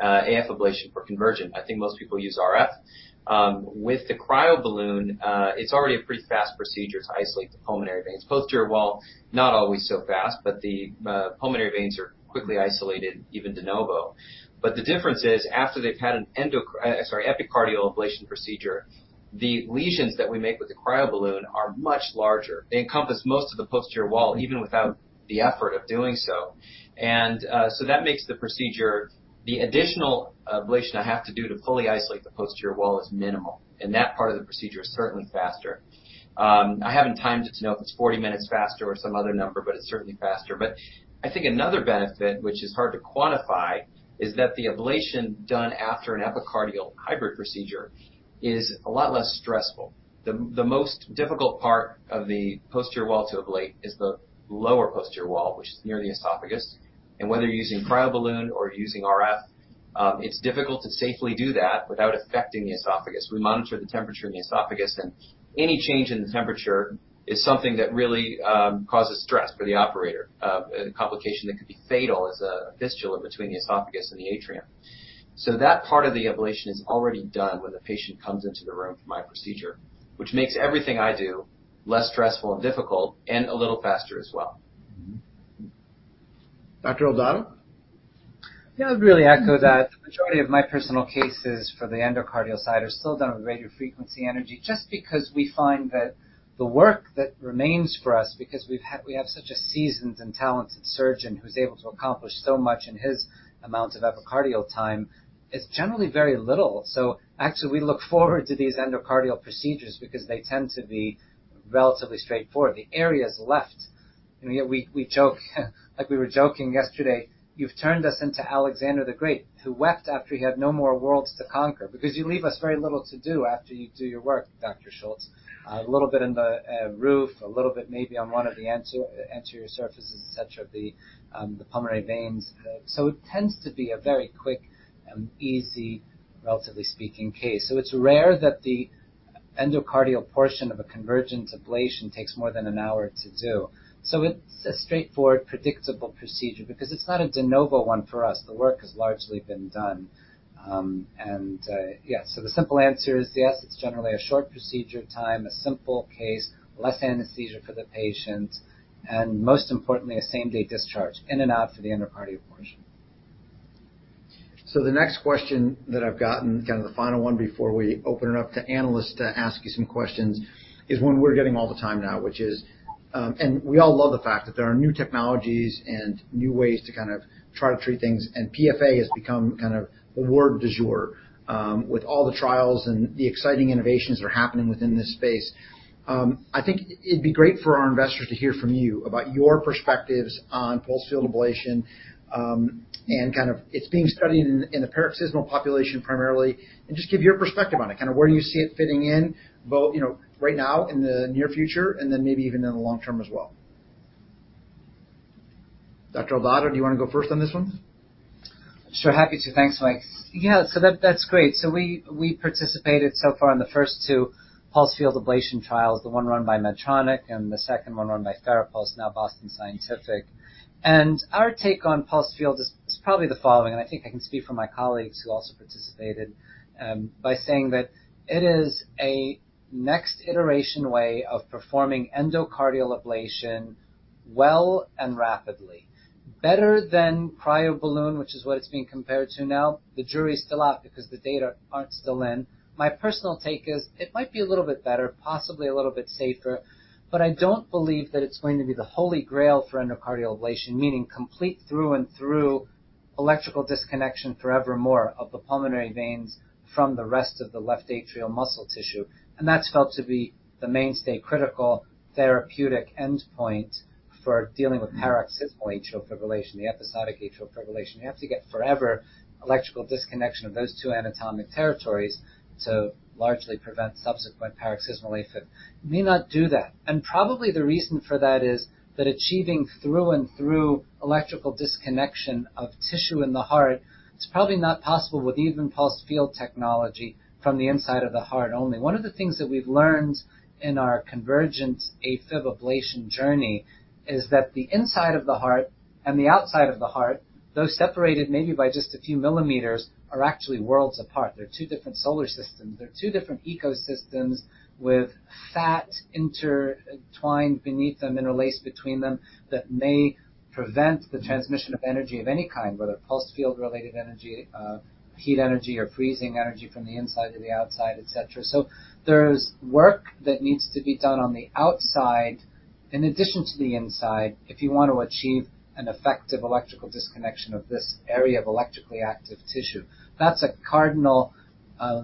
AF ablation for Convergent. I think most people use RF. With the cryoballoon, it's already a pretty fast procedure to isolate the pulmonary veins. Well, not always so fast, but the pulmonary veins are quickly isolated, even de novo. The difference is, after they've had an epicardial ablation procedure, the lesions that we make with the cryoballoon are much larger. They encompass most of the posterior wall, even without the effort of doing so. That makes the procedure, the additional ablation I have to do to fully isolate the posterior wall is minimal, and that part of the procedure is certainly faster. I haven't timed it to know if it's 40 minutes faster or some other number, but it's certainly faster. I think another benefit, which is hard to quantify, is that the ablation done after an epicardial hybrid procedure is a lot less stressful. The most difficult part of the posterior wall to ablate is the lower posterior wall, which is near the esophagus. Whether you're using cryo balloon or using RF, it's difficult to safely do that without affecting the esophagus. We monitor the temperature in the esophagus, and any change in the temperature is something that really causes stress for the operator. A complication that could be fatal is a fistula between the esophagus and the atrium. that part of the ablation is already done when the patient comes into the room for my procedure, which makes everything I do less stressful and difficult and a little faster as well. Dr. Eldadah? Yeah. I'd really echo that. The majority of my personal cases for the endocardial side are still done with radiofrequency energy just because we find that the work that remains for us, because we have such a seasoned and talented surgeon who's able to accomplish so much in his amount of epicardial time, it's generally very little. So actually, we look forward to these endocardial procedures because they tend to be relatively straightforward. The areas left, you know, we joke, like we were joking yesterday, you've turned us into Alexander the Great, who wept after he had no more worlds to conquer because you leave us very little to do after you do your work, Dr. Schultz. A little bit in the roof, a little bit maybe on one of the anterior surfaces, et cetera, the pulmonary veins. It tends to be a very quick and easy, relatively speaking, case. It's rare that the endocardial portion of a convergent ablation takes more than an hour to do. It's a straightforward, predictable procedure because it's not a de novo one for us. The work has largely been done. The simple answer is, yes, it's generally a short procedure time, a simple case, less anesthesia for the patient, and most importantly, a same-day discharge, in and out for the endocardial portion. The next question that I've gotten, kind of the final one before we open it up to analysts to ask you some questions, is one we're getting all the time now, which is, and we all love the fact that there are new technologies and new ways to kind of try to treat things, and PFA has become kind of a word du jour, with all the trials and the exciting innovations that are happening within this space. I think it'd be great for our investors to hear from you about your perspectives on pulsed field ablation, and kind of it's being studied in the paroxysmal population primarily. Just give your perspective on it, kind of where do you see it fitting in both, you know, right now, in the near future, and then maybe even in the long term as well. Dr. Eldadah, do you wanna go first on this one? Sure. Happy to. Thanks, Mike. Yeah, that's great. We participated so far in the first two pulsed field ablation trials, the one run by Medtronic and the second one run by Farapulse, now Boston Scientific. Our take on pulsed field is probably the following, and I think I can speak for my colleagues who also participated by saying that it is a next iteration way of performing endocardial ablation well and rapidly. Better than cryoballoon, which is what it's being compared to now. The jury is still out because the data aren't in yet. My personal take is it might be a little bit better, possibly a little bit safer, but I don't believe that it's going to be the holy grail for endocardial ablation, meaning complete through and through electrical disconnection forevermore of the pulmonary veins from the rest of the left atrial muscle tissue. That's felt to be the mainstay critical therapeutic endpoint for dealing with paroxysmal atrial fibrillation, the episodic atrial fibrillation. You have to get forever electrical disconnection of those two anatomic territories to largely prevent subsequent paroxysmal AFib. It may not do that. Probably the reason for that is that achieving through and through electrical disconnection of tissue in the heart is probably not possible with even pulse field technology from the inside of the heart only. One of the things that we've learned in our convergent AFib ablation journey is that the inside of the heart and the outside of the heart, though separated maybe by just a few millimeters, are actually worlds apart. They're two different solar systems. They're two different ecosystems with fat intertwined beneath them, interlaced between them, that may prevent the transmission of energy of any kind, whether pulsed field-related energy, heat energy or freezing energy from the inside to the outside, et cetera. There's work that needs to be done on the outside in addition to the inside if you want to achieve an effective electrical disconnection of this area of electrically active tissue. That's a cardinal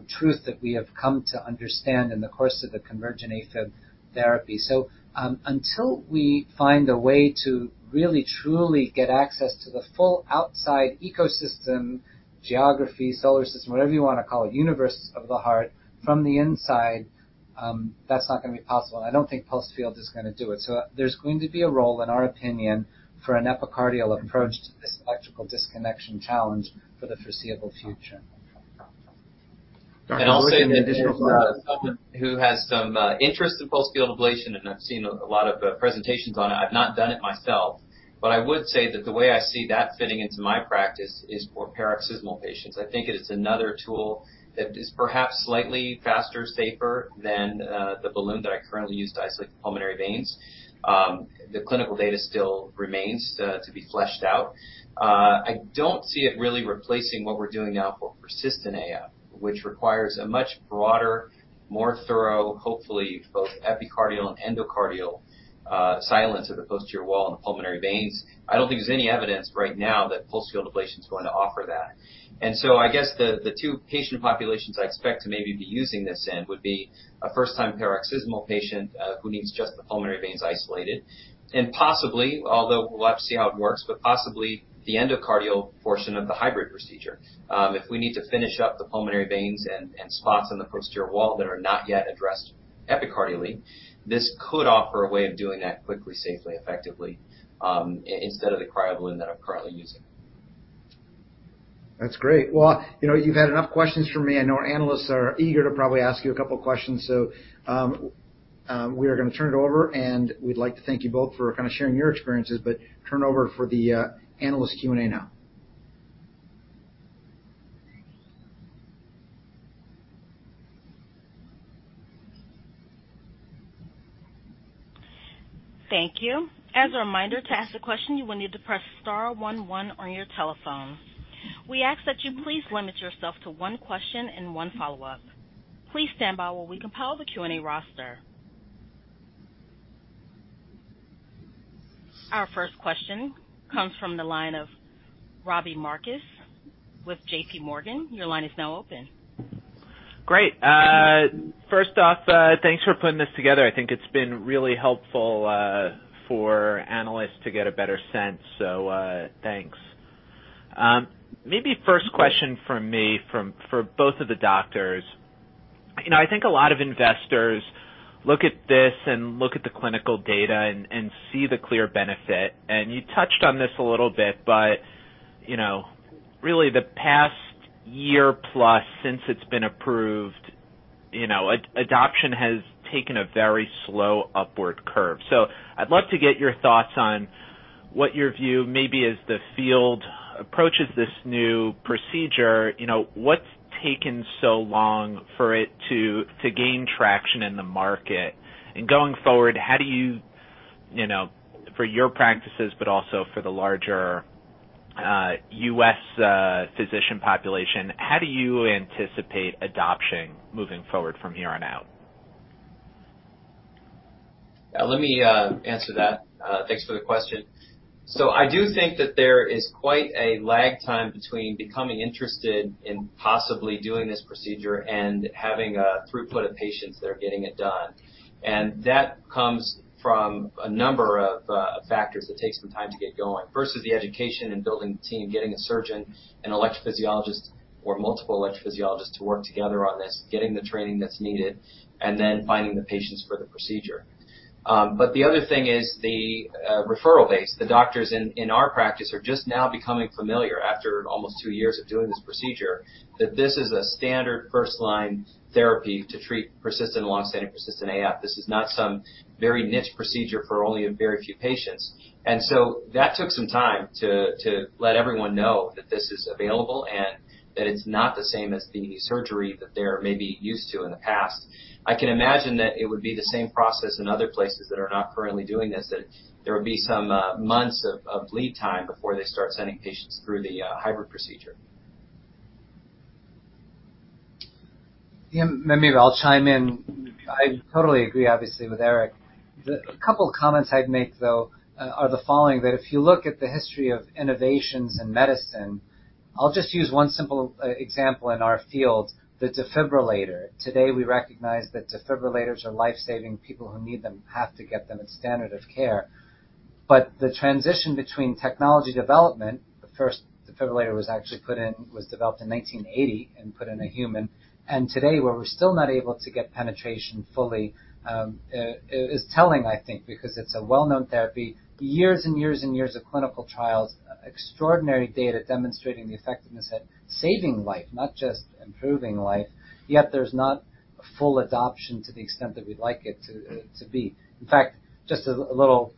truth that we have come to understand in the course of the convergent AFib therapy. Until we find a way to really, truly get access to the full outside ecosystem, geography, solar system, whatever you wanna call it, universe of the heart from the inside, that's not gonna be possible. I don't think pulsed field is gonna do it. There's going to be a role, in our opinion, for an epicardial approach to this electrical disconnection challenge for the foreseeable future. Dr. Buch, any additional comments? Also as someone who has some interest in pulsed field ablation, and I've seen a lot of presentations on it, I've not done it myself. I would say that the way I see that fitting into my practice is for paroxysmal patients. I think it is another tool that is perhaps slightly faster, safer than the balloon that I currently use to isolate the pulmonary veins. The clinical data still remains to be fleshed out. I don't see it really replacing what we're doing now for persistent AF, which requires a much broader, more thorough, hopefully, both epicardial and endocardial silence of the posterior wall and the pulmonary veins. I don't think there's any evidence right now that pulsed field ablation is going to offer that. I guess the two patient populations I expect to maybe be using this in would be a first-time paroxysmal patient who needs just the pulmonary veins isolated. Possibly, although we'll have to see how it works, but possibly the endocardial portion of the hybrid procedure. If we need to finish up the pulmonary veins and spots on the posterior wall that are not yet addressed epicardially, this could offer a way of doing that quickly, safely, effectively, instead of the cryoballoon that I'm currently using. That's great. Well, you know, you've had enough questions from me. I know our analysts are eager to probably ask you a couple questions. We are gonna turn it over, and we'd like to thank you both for kind of sharing your experiences, but turn it over for the analyst Q&A now. Thank you. As a reminder, to ask a question, you will need to press star one one on your telephone. We ask that you please limit yourself to one question and one follow-up. Please stand by while we compile the Q&A roster. Our first question comes from the line of Robbie Marcus with J.P. Morgan. Your line is now open. Great. First off, thanks for putting this together. I think it's been really helpful for analysts to get a better sense. Thanks. Maybe first question from me for both of the doctors. You know, I think a lot of investors look at this and look at the clinical data and see the clear benefit. You touched on this a little bit, but you know, really the past year plus since it's been approved, you know, adoption has taken a very slow upward curve. I'd love to get your thoughts on what your view maybe as the field approaches this new procedure. You know, what's taken so long for it to gain traction in the market? Going forward, how do you know, for your practices, but also for the larger US physician population, how do you anticipate adoption moving forward from here on out? Let me answer that. Thanks for the question. I do think that there is quite a lag time between becoming interested in possibly doing this procedure and having a throughput of patients that are getting it done. That comes from a number of factors that take some time to get going. First is the education and building the team, getting a surgeon, an electrophysiologist or multiple electrophysiologists to work together on this, getting the training that's needed, and then finding the patients for the procedure. The other thing is the referral base. The doctors in our practice are just now becoming familiar after almost two years of doing this procedure, that this is a standard first line therapy to treat persistent long-standing persistent AF. This is not some very niche procedure for only a very few patients. That took some time to let everyone know that this is available and that it's not the same as the surgery that they're maybe used to in the past. I can imagine that it would be the same process in other places that are not currently doing this, that there would be some months of lead time before they start sending patients through the hybrid procedure. Yeah. Maybe I'll chime in. I totally agree, obviously, with Eric. The couple of comments I'd make, though, are the following, that if you look at the history of innovations in medicine, I'll just use one simple example in our field, the defibrillator. Today, we recognize that defibrillators are life-saving. People who need them have to get them. It's standard of care. The transition between technology development, the first defibrillator was actually developed in 1980 and put in a human. Today, where we're still not able to get penetration fully, is telling, I think, because it's a well-known therapy, years and years and years of clinical trials, extraordinary data demonstrating the effectiveness at saving life, not just improving life. Yet there's not full adoption to the extent that we'd like it to be. In fact, just a little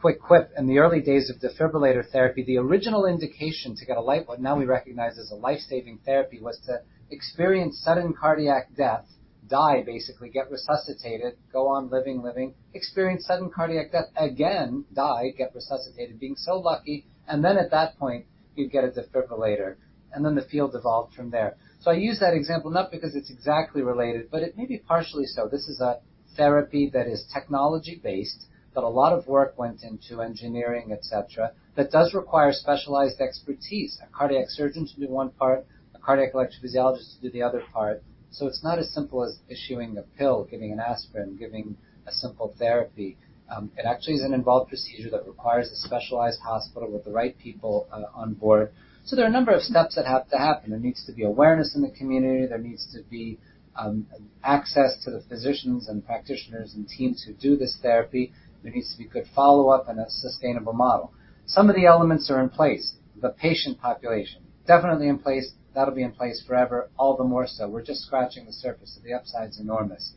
quick quip. In the early days of defibrillator therapy, the original indication to get a LifeVest what now we recognize as a life-saving therapy was to experience sudden cardiac death, die basically, get resuscitated, go on living, experience sudden cardiac death again, die, get resuscitated, being so lucky. Then at that point, you'd get a defibrillator, and then the field evolved from there. I use that example not because it's exactly related, but it may be partially so. This is a therapy that is technology-based, that a lot of work went into engineering, et cetera, that does require specialized expertise. A cardiac surgeon to do one part, a cardiac electrophysiologist to do the other part. It's not as simple as issuing a pill, giving an aspirin, giving a simple therapy. It actually is an involved procedure that requires a specialized hospital with the right people on board. There are a number of steps that have to happen. There needs to be awareness in the community. There needs to be access to the physicians and practitioners and teams who do this therapy. There needs to be good follow-up and a sustainable model. Some of the elements are in place. The patient population, definitely in place. That'll be in place forever, all the more so. We're just scratching the surface, so the upside is enormous.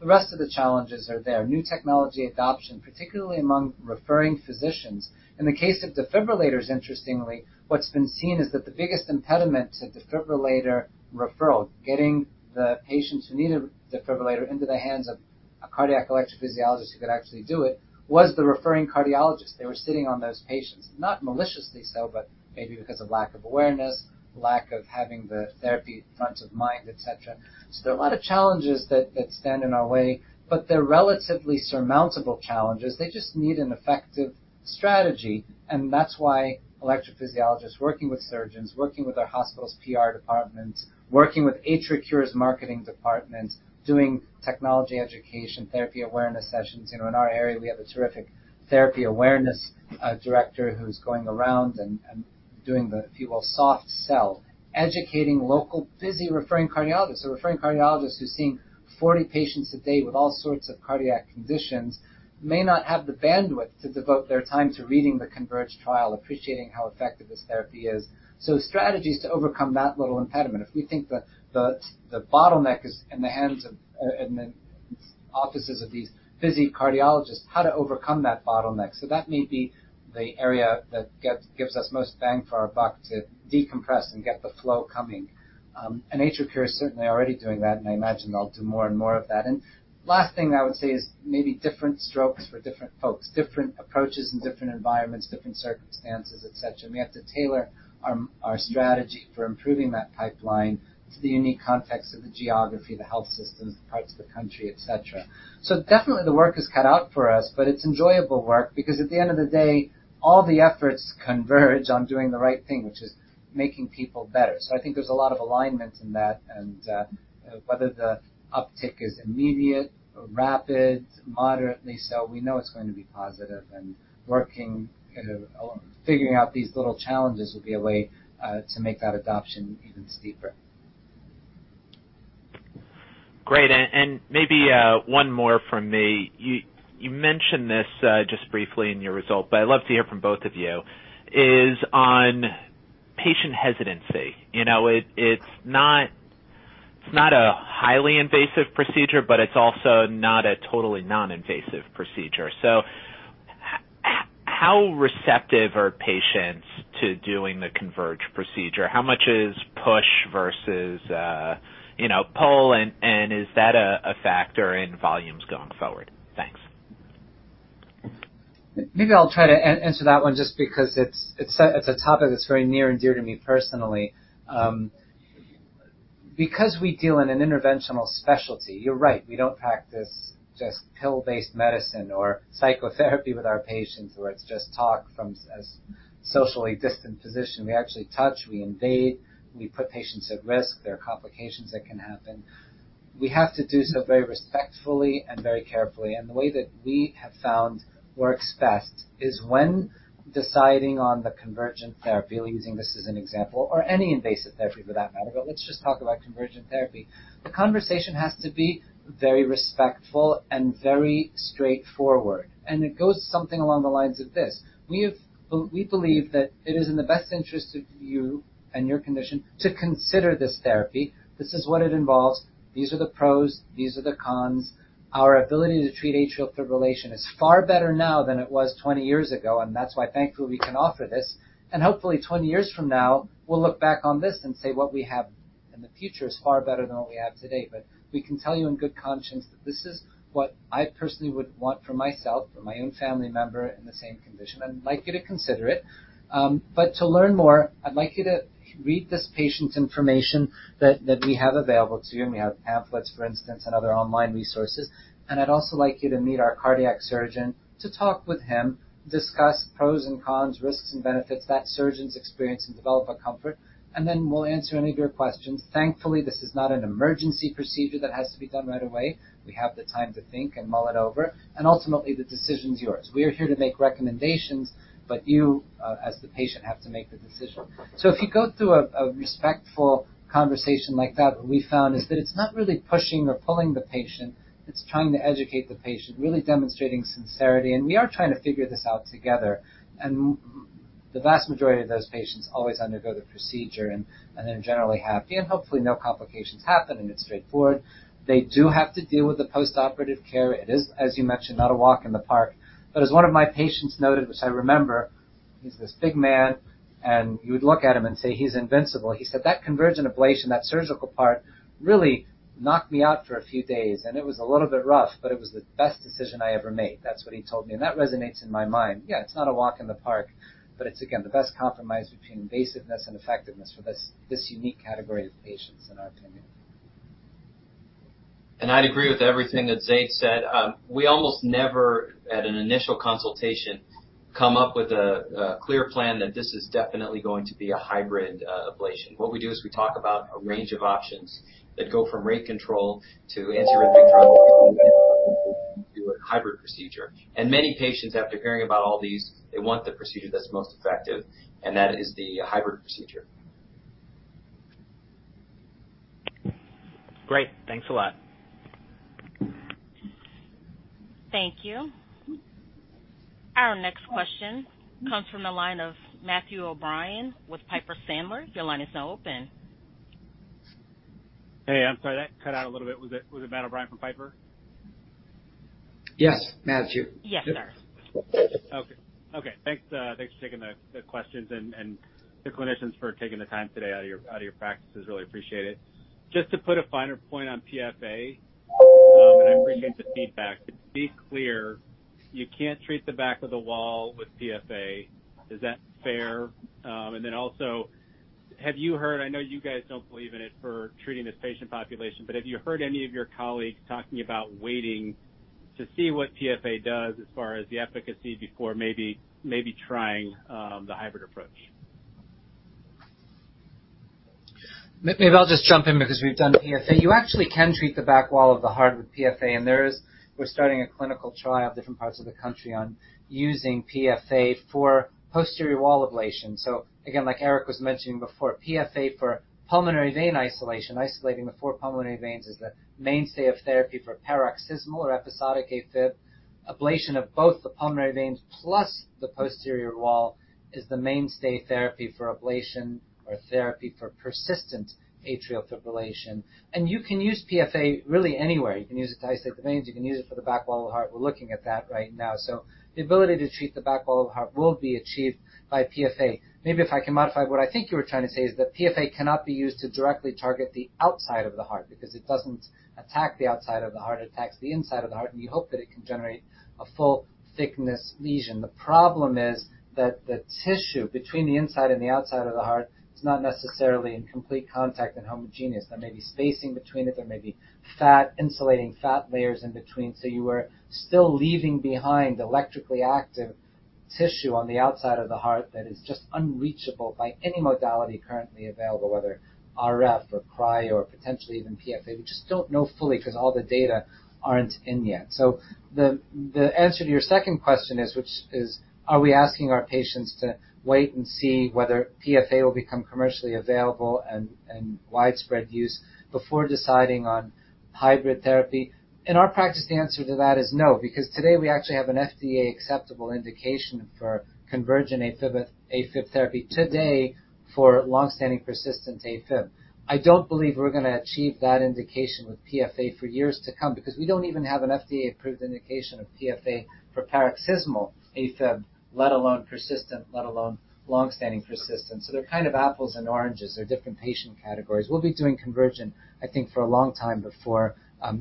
The rest of the challenges are there. New technology adoption, particularly among referring physicians. In the case of defibrillators, interestingly, what's been seen is that the biggest impediment to defibrillator referral, getting the patients who need a defibrillator into the hands of a cardiac electrophysiologist who could actually do it, was the referring cardiologist. They were sitting on those patients, not maliciously so, but maybe because of lack of awareness, lack of having the therapy front of mind, et cetera. There are a lot of challenges that stand in our way, but they're relatively surmountable challenges. They just need an effective strategy. That's why electrophysiologists working with surgeons, working with our hospital's PR departments, working with AtriCure's marketing departments, doing technology education, therapy awareness sessions. You know, in our area, we have a terrific therapy awareness director who's going around and doing the, if you will, soft sell, educating local busy referring cardiologists. Referring cardiologists who's seeing 40 patients a day with all sorts of cardiac conditions may not have the bandwidth to devote their time to reading the CONVERGE trial, appreciating how effective this therapy is. Strategies to overcome that little impediment. If we think the bottleneck is in the hands of, in the offices of these busy cardiologists, how to overcome that bottleneck. That may be the area that gives us most bang for our buck to decompress and get the flow coming. AtriCure is certainly already doing that, and I imagine they'll do more and more of that. Last thing I would say is maybe different strokes for different folks, different approaches in different environments, different circumstances, et cetera. We have to tailor our strategy for improving that pipeline to the unique context of the geography, the health systems, parts of the country, et cetera. Definitely, the work is cut out for us, but it's enjoyable work because at the end of the day, all the efforts converge on doing the right thing, which is making people better. I think there's a lot of alignment in that. Whether the uptick is immediate or rapid, moderately so, we know it's going to be positive. Working, figuring out these little challenges will be a way to make that adoption even steeper. Great. Maybe one more from me. You mentioned this just briefly in your result, but I'd love to hear from both of you on patient hesitancy. You know, it's not a highly invasive procedure, but it's also not a totally non-invasive procedure. So how receptive are patients to doing the CONVERGE procedure? How much is push versus pull? And is that a factor in volumes going forward? Thanks. Maybe I'll try to answer that one just because it's a topic that's very near and dear to me personally. Because we deal in an interventional specialty, you're right, we don't practice just pill-based medicine or psychotherapy with our patients where it's just talk from a socially distant physician. We actually touch, we invade, we put patients at risk. There are complications that can happen. We have to do so very respectfully and very carefully. The way that we have found works best is when deciding on the Convergent therapy, we're using this as an example, or any invasive therapy for that matter, but let's just talk about Convergent therapy. The conversation has to be very respectful and very straightforward, and it goes something along the lines of this. We believe that it is in the best interest of you and your condition to consider this therapy. This is what it involves. These are the pros, these are the cons. Our ability to treat atrial fibrillation is far better now than it was 20 years ago, and that's why, thankfully, we can offer this. Hopefully 20 years from now, we'll look back on this and say what we have in the future is far better than what we have today. We can tell you in good conscience that this is what I personally would want for myself or my own family member in the same condition. I'd like you to consider it. To learn more, I'd like you to read this patient information that we have available to you, and we have pamphlets, for instance, and other online resources. I'd also like you to meet our cardiac surgeon to talk with him, discuss pros and cons, risks and benefits, that surgeon's experience, and develop a comfort. We'll answer any of your questions. Thankfully, this is not an emergency procedure that has to be done right away. We have the time to think and mull it over, and ultimately, the decision's yours. We are here to make recommendations, but you, as the patient, have to make the decision. If you go through a respectful conversation like that, what we found is that it's not really pushing or pulling the patient, it's trying to educate the patient, really demonstrating sincerity. We are trying to figure this out together. The vast majority of those patients always undergo the procedure and they're generally happy, and hopefully no complications happen, and it's straightforward. They do have to deal with the postoperative care. It is, as you mentioned, not a walk in the park. As one of my patients noted, which I remember, he's this big man, and you would look at him and say he's invincible. He said, "That Convergent ablation, that surgical part, really knocked me out for a few days, and it was a little bit rough, but it was the best decision I ever made." That's what he told me, and that resonates in my mind. Yeah, it's not a walk in the park, but it's, again, the best compromise between invasiveness and effectiveness for this unique category of patients, in our opinion. I'd agree with everything that Zayd said. We almost never, at an initial consultation, come up with a clear plan that this is definitely going to be a hybrid ablation. What we do is we talk about a range of options that go from rate control to antiarrhythmic drug, do a hybrid procedure. Many patients, after hearing about all these, they want the procedure that's most effective, and that is the hybrid procedure. Great. Thanks a lot. Thank you. Our next question comes from the line of Matthew O'Brien with Piper Sandler. Your line is now open. Hey, I'm sorry that cut out a little bit. Was it Matt O'Brien from Piper? Yes, Matthew. Yes, sir. Okay, thanks for taking the questions and the clinicians for taking the time today out of your practices. Really appreciate it. Just to put a finer point on PFA, and I appreciate the feedback, but to be clear, you can't treat the back of the wall with PFA. Is that fair? Also, have you heard? I know you guys don't believe in it for treating this patient population, but have you heard any of your colleagues talking about waiting to see what PFA does as far as the efficacy before maybe trying the hybrid approach. Maybe I'll just jump in because we've done PFA. You actually can treat the back wall of the heart with PFA, and we're starting a clinical trial in different parts of the country on using PFA for posterior wall ablation. Again, like Eric was mentioning before, PFA for pulmonary vein isolation, isolating the four pulmonary veins is the mainstay of therapy for paroxysmal or episodic AFib. Ablation of both the pulmonary veins plus the posterior wall is the mainstay therapy for ablation or therapy for persistent atrial fibrillation. You can use PFA really anywhere. You can use it to isolate the veins. You can use it for the back wall of the heart. We're looking at that right now. The ability to treat the back wall of the heart will be achieved by PFA. Maybe if I can modify what I think you were trying to say is that PFA cannot be used to directly target the outside of the heart because it doesn't attack the outside of the heart. It attacks the inside of the heart, and you hope that it can generate a full thickness lesion. The problem is that the tissue between the inside and the outside of the heart is not necessarily in complete contact and homogeneous. There may be spacing between it. There may be fat, insulating fat layers in between, so you are still leaving behind electrically active tissue on the outside of the heart that is just unreachable by any modality currently available, whether RF or cryo or potentially even PFA. We just don't know fully 'cause all the data aren't in yet. The answer to your second question is, which is are we asking our patients to wait and see whether PFA will become commercially available and widespread use before deciding on hybrid therapy? In our practice, the answer to that is no because today we actually have an FDA acceptable indication for Convergent AFib therapy today for long-standing persistent AFib. I don't believe we're gonna achieve that indication with PFA for years to come because we don't even have an FDA-approved indication of PFA for paroxysmal AFib, let alone persistent, let alone long-standing persistent. They're kind of apples and oranges. They're different patient categories. We'll be doing Convergent, I think, for a long time before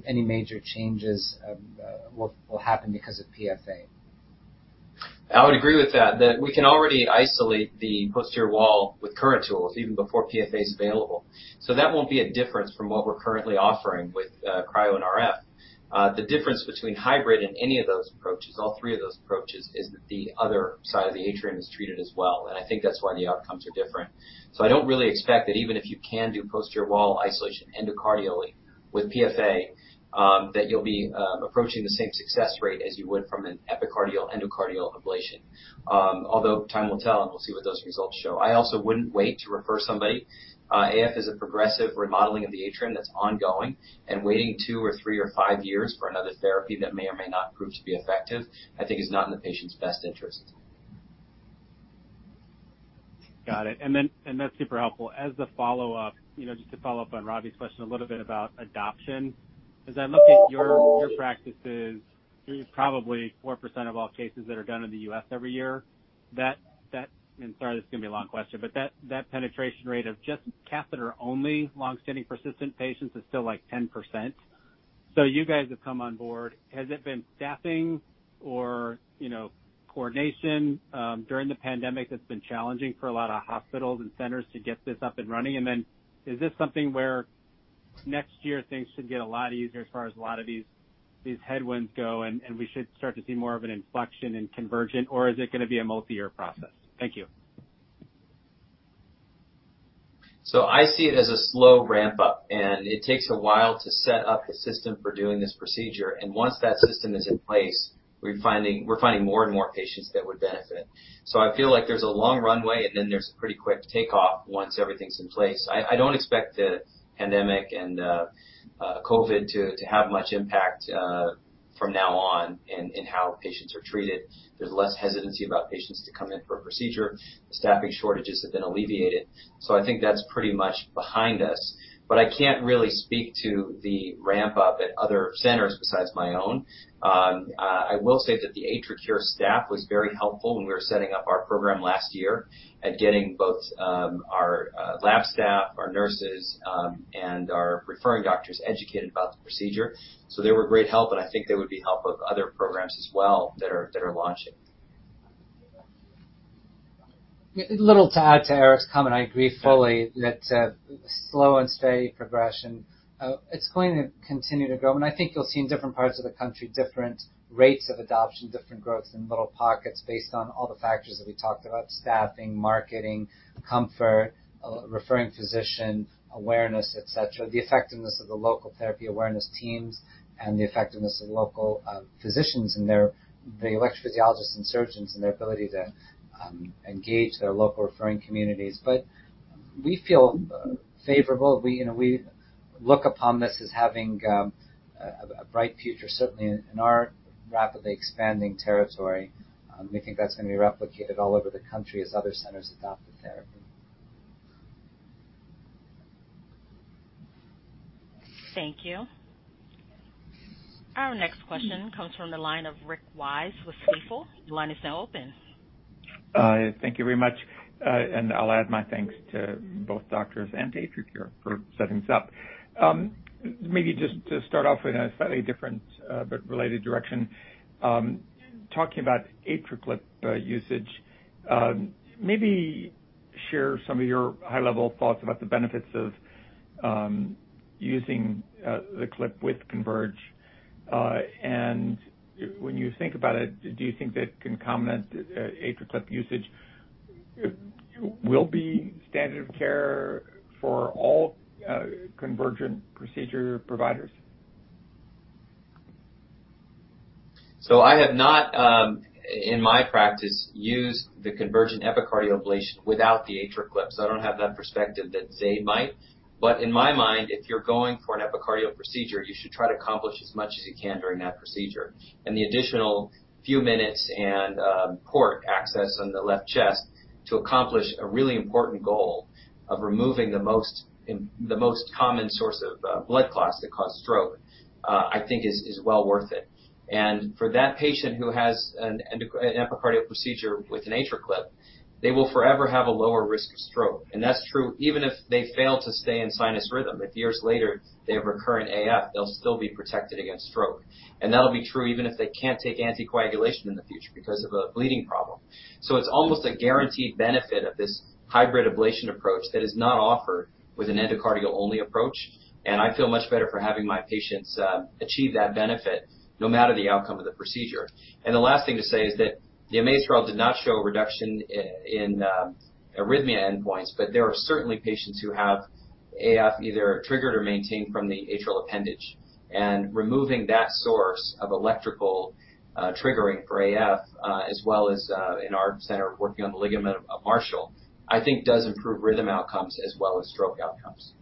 any major changes will happen because of PFA. I would agree with that we can already isolate the posterior wall with current tools even before PFA is available. That won't be a difference from what we're currently offering with cryo and RF. The difference between hybrid and any of those approaches, all three of those approaches, is that the other side of the atrium is treated as well, and I think that's why the outcomes are different. I don't really expect that even if you can do posterior wall isolation endocardially with PFA that you'll be approaching the same success rate as you would from an epicardial endocardial ablation. Although time will tell, and we'll see what those results show. I also wouldn't wait to refer somebody. AF is a progressive remodeling of the atrium that's ongoing, and waiting 2 or 3 or 5 years for another therapy that may or may not prove to be effective, I think is not in the patient's best interest. Got it. And that's super helpful. As a follow-up, you know, just to follow up on Robbie's question a little bit about adoption. As I look at your practices, you're probably 4% of all cases that are done in the U.S. every year. Sorry, this is gonna be a long question, but that penetration rate of just catheter-only long-standing persistent patients is still, like, 10%. You guys have come on board. Has it been staffing or, you know, coordination during the pandemic that's been challenging for a lot of hospitals and centers to get this up and running? Is this something where next year things should get a lot easier as far as a lot of these headwinds go, and we should start to see more of an inflection in Convergent, or is it gonna be a multi-year process? Thank you. I see it as a slow ramp-up, and it takes a while to set up the system for doing this procedure. Once that system is in place, we're finding more and more patients that would benefit. I feel like there's a long runway, and then there's a pretty quick take-off once everything's in place. I don't expect the pandemic and COVID to have much impact from now on in how patients are treated. There's less hesitancy about patients to come in for a procedure. The staffing shortages have been alleviated. I think that's pretty much behind us. I can't really speak to the ramp-up at other centers besides my own. I will say that the AtriCure staff was very helpful when we were setting up our program last year at getting both our lab staff, our nurses, and our referring doctors educated about the procedure. They were a great help, and I think they would be helpful to other programs as well that are launching. Little to add to Eric's comment. I agree fully that slow and steady progression, it's going to continue to grow, and I think you'll see in different parts of the country different rates of adoption, different growths in little pockets based on all the factors that we talked about, staffing, marketing, comfort, referring physician awareness, et cetera. The effectiveness of the local therapy awareness teams and the effectiveness of local physicians and the electrophysiologists and surgeons and their ability to engage their local referring communities. We feel favorable. We, you know, we look upon this as having a bright future, certainly in our rapidly expanding territory. We think that's gonna be replicated all over the country as other centers adopt the therapy. Thank you. Our next question comes from the line of Rick Wise with Stifel. Your line is now open. Thank you very much. I'll add my thanks to both doctors and to AtriCure for setting this up. Maybe just to start off in a slightly different, but related direction, talking about AtriClip usage, maybe share some of your high-level thoughts about the benefits of using the clip with Convergent. When you think about it, do you think that concomitant AtriClip usage will be standard of care for all Convergent procedure providers? I have not, in my practice, used the Convergent epicardial ablation without the AtriClip, so I don't have that perspective that Zayd might. In my mind, if you're going for an epicardial procedure, you should try to accomplish as much as you can during that procedure. The additional few minutes and port access on the left chest to accomplish a really important goal of removing the most common source of blood clots that cause stroke, I think is well worth it. For that patient who has an epicardial procedure with an AtriClip, they will forever have a lower risk of stroke. That's true even if they fail to stay in sinus rhythm. If years later they have recurrent AF, they'll still be protected against stroke. That'll be true even if they can't take anticoagulation in the future because of a bleeding problem. It's almost a guaranteed benefit of this hybrid ablation approach that is not offered with an endocardial-only approach, and I feel much better for having my patients achieve that benefit no matter the outcome of the procedure. The last thing to say is that the AMATROL did not show a reduction in arrhythmia endpoints, but there are certainly patients who have AF either triggered or maintained from the atrial appendage. Removing that source of electrical triggering for AF, as well as in our center working on the ligament of Marshall, I think does improve rhythm outcomes as well as stroke outcomes.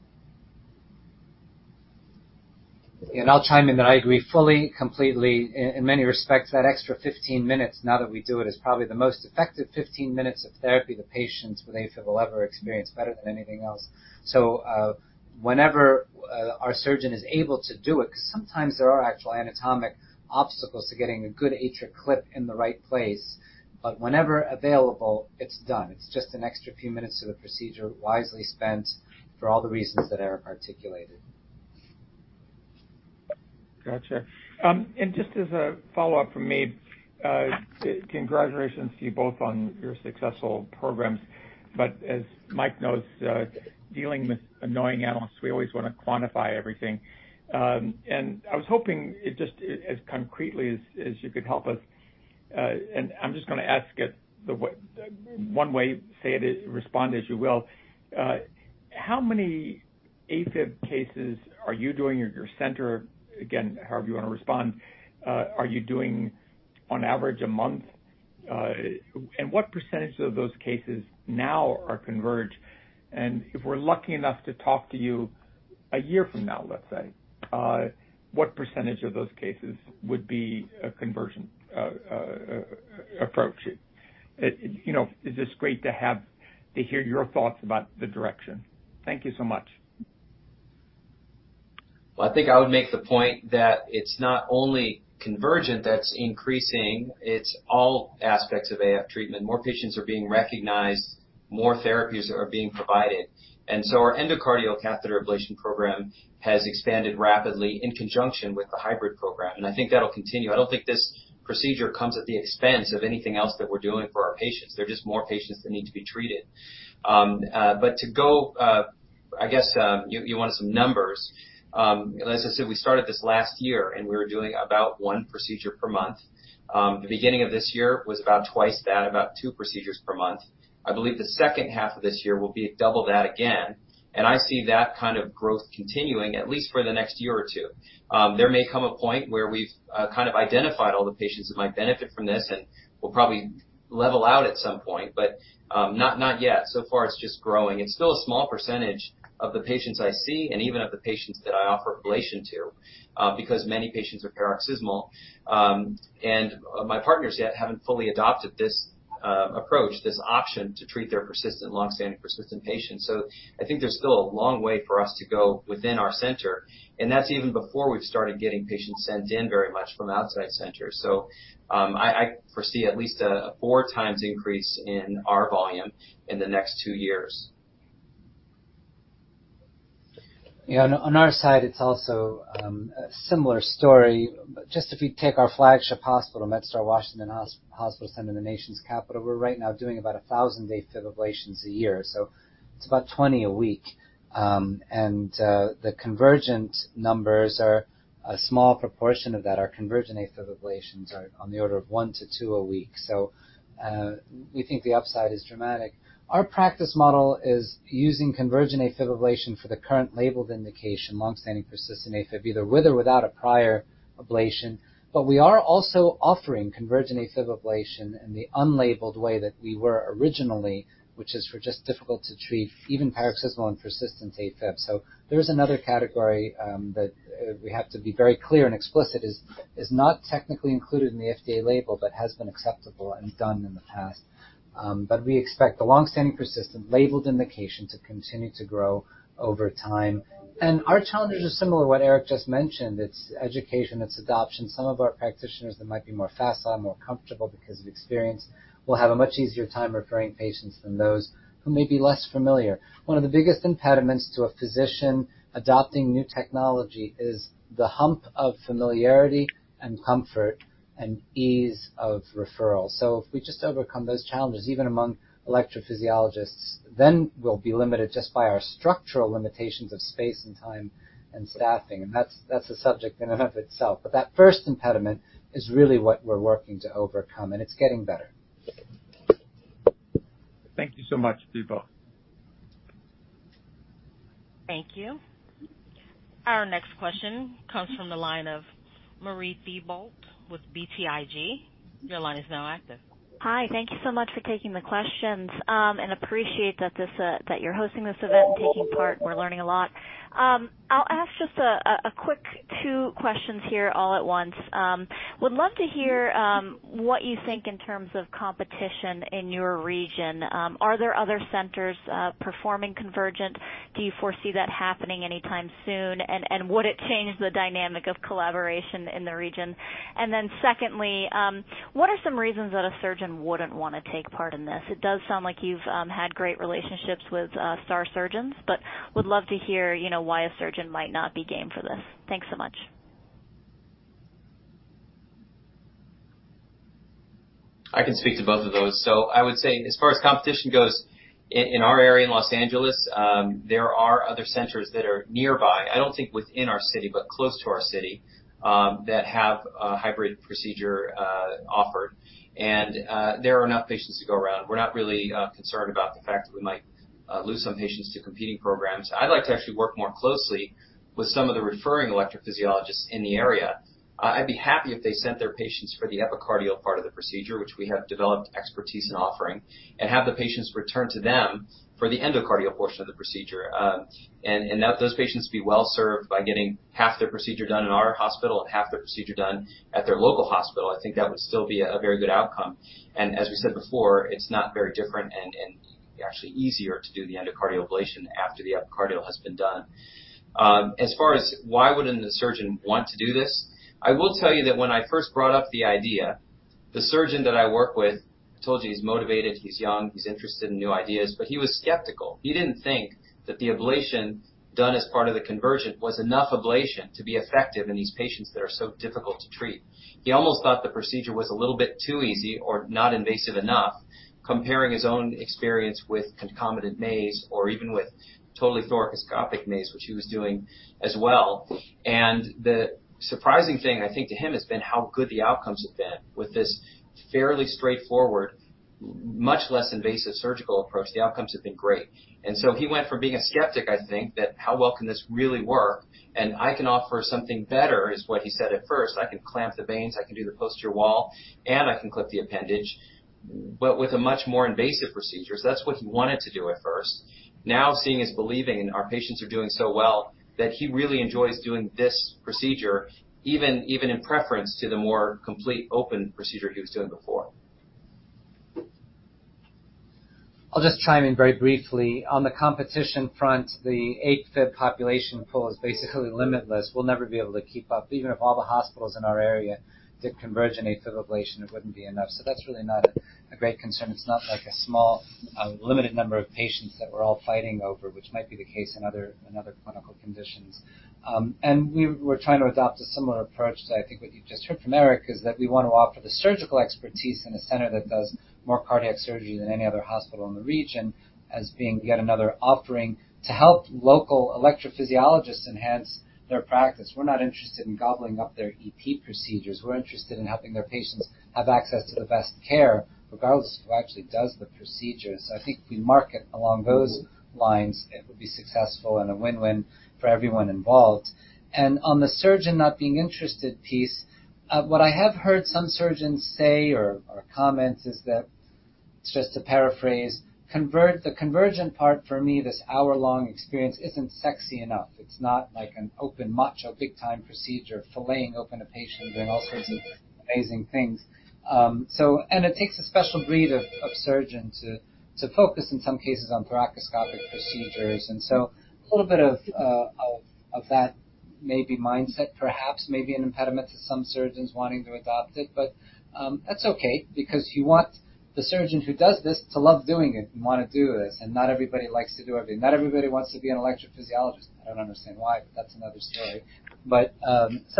I'll chime in that I agree fully, completely. In many respects, that extra 15 minutes now that we do it is probably the most effective 15 minutes of therapy the patients with AF will ever experience better than anything else. Whenever our surgeon is able to do it, 'cause sometimes there are actual anatomic obstacles to getting a good AtriClip in the right place, but whenever available, it's done. It's just an extra few minutes to the procedure wisely spent for all the reasons that Eric articulated. Gotcha. Congratulations to you both on your successful programs. As Mike knows, dealing with annoying analysts, we always wanna quantify everything. I was hoping as concretely as you could help us, and I'm just gonna ask it one way, say it, respond as you will. How many AFib cases are you doing at your center? Again, however you wanna respond. Are you doing on average a month? What percentage of those cases now are Convergent? If we're lucky enough to talk to you a year from now, let's say, what percentage of those cases would be a Convergent approach? You know, it's just great to hear your thoughts about the direction. Thank you so much. Well, I think I would make the point that it's not only Convergent that's increasing, it's all aspects of AF treatment. More patients are being recognized, more therapies are being provided. Our endocardial catheter ablation program has expanded rapidly in conjunction with the hybrid program, and I think that'll continue. I don't think this procedure comes at the expense of anything else that we're doing for our patients. They're just more patients that need to be treated. To go, I guess, you wanted some numbers. As I said, we started this last year, and we were doing about one procedure per month. The beginning of this year was about twice that, about two procedures per month. I believe the second half of this year will be double that again, and I see that kind of growth continuing at least for the next year or two. There may come a point where we've kind of identified all the patients that might benefit from this, and we'll probably level out at some point, but not yet. So far, it's just growing. It's still a small percentage of the patients I see and even of the patients that I offer ablation to, because many patients are paroxysmal, and my partners yet haven't fully adopted this approach, this option to treat their persistent, long-standing persistent patients. I think there's still a long way for us to go within our center, and that's even before we've started getting patients sent in very much from outside centers. I foresee at least a 4 times increase in our volume in the next 2 years. Yeah, on our side, it's also a similar story. Just if you take our flagship hospital, MedStar Washington Hospital Center in the nation's capital, we're right now doing about 1,000 AFib ablations a year, so it's about 20 a week. The Convergent numbers are a small proportion of that. Our Convergent AFib ablations are on the order of 1-2 a week. We think the upside is dramatic. Our practice model is using Convergent AFib ablation for the current labeled indication, long-standing persistent AFib, either with or without a prior ablation. We are also offering Convergent AFib ablation in the unlabeled way that we were originally, which is for just difficult to treat, even paroxysmal and persistent AFib. There is another category that we have to be very clear and explicit is not technically included in the FDA label but has been acceptable and done in the past. We expect the long-standing persistent labeled indication to continue to grow over time. Our challenges are similar to what Eric just mentioned. It's education, it's adoption. Some of our practitioners that might be more facile and more comfortable because of experience will have a much easier time referring patients than those who may be less familiar. One of the biggest impediments to a physician adopting new technology is the hump of familiarity and comfort and ease of referral. If we just overcome those challenges, even among electrophysiologists, then we'll be limited just by our structural limitations of space and time and staffing. That's a subject in and of itself. That first impediment is really what we're working to overcome, and it's getting better. Thank you so much, you both. Thank you. Our next question comes from the line of Marie Thibault with BTIG. Your line is now active. Hi. Thank you so much for taking the questions. I appreciate that you're hosting this event and taking part. We're learning a lot. I'll ask just a quick two questions here all at once. Would love to hear what you think in terms of competition in your region. Are there other centers performing Convergent? Do you foresee that happening anytime soon? Would it change the dynamic of collaboration in the region? Then secondly, what are some reasons that a surgeon wouldn't wanna take part in this? It does sound like you've had great relationships with star surgeons, but would love to hear, you know, why a surgeon might not be game for this. Thanks so much. I can speak to both of those. I would say as far as competition goes, in our area in Los Angeles, there are other centers that are nearby, I don't think within our city, but close to our city, that have a hybrid procedure offered. There are enough patients to go around. We're not really concerned about the fact that we might lose some patients to competing programs. I'd like to actually work more closely with some of the referring electrophysiologists in the area. I'd be happy if they sent their patients for the epicardial part of the procedure, which we have developed expertise in offering, and have the patients return to them for the endocardial portion of the procedure. that those patients be well served by getting half their procedure done in our hospital and half their procedure done at their local hospital. I think that would still be a very good outcome. as we said before, it's not very different and actually easier to do the endocardial ablation after the epicardial has been done. as far as why wouldn't a surgeon want to do this, I will tell you that when I first brought up the idea. The surgeon that I work with, I told you he's motivated, he's young, he's interested in new ideas, but he was skeptical. He didn't think that the ablation done as part of the Convergent was enough ablation to be effective in these patients that are so difficult to treat. He almost thought the procedure was a little bit too easy or not invasive enough, comparing his own experience with concomitant maze or even with totally thoracoscopic maze, which he was doing as well. The surprising thing, I think, to him has been how good the outcomes have been with this fairly straightforward, much less invasive surgical approach. The outcomes have been great. He went from being a skeptic, I think, that how well can this really work, and I can offer something better, is what he said at first. I can clamp the veins, I can do the posterior wall, and I can clip the appendage, but with a much more invasive procedure. That's what he wanted to do at first. Now, seeing is believing, and our patients are doing so well that he really enjoys doing this procedure, even in preference to the more complete open procedure he was doing before. I'll just chime in very briefly. On the competition front, the AFib population pool is basically limitless. We'll never be able to keep up. Even if all the hospitals in our area did Convergent AFib ablation, it wouldn't be enough. That's really not a great concern. It's not like a small, limited number of patients that we're all fighting over, which might be the case in other clinical conditions. We're trying to adopt a similar approach to, I think, what you've just heard from Eric, is that we want to offer the surgical expertise in a center that does more cardiac surgery than any other hospital in the region as being yet another offering to help local electrophysiologists enhance their practice. We're not interested in gobbling up their EP procedures. We're interested in helping their patients have access to the best care regardless of who actually does the procedures. I think if we market along those lines, it will be successful and a win-win for everyone involved. On the surgeon not being interested piece, what I have heard some surgeons say or comment is that, just to paraphrase, the Convergent part for me, this hour-long experience isn't sexy enough. It's not like an open macho big time procedure, filleting open a patient, doing all sorts of amazing things. It takes a special breed of surgeon to focus in some cases on thoracoscopic procedures. A little bit of that maybe mindset, perhaps may be an impediment to some surgeons wanting to adopt it. That's okay because you want the surgeon who does this to love doing it and wanna do this. Not everybody likes to do everything. Not everybody wants to be an electrophysiologist. I don't understand why, but that's another story.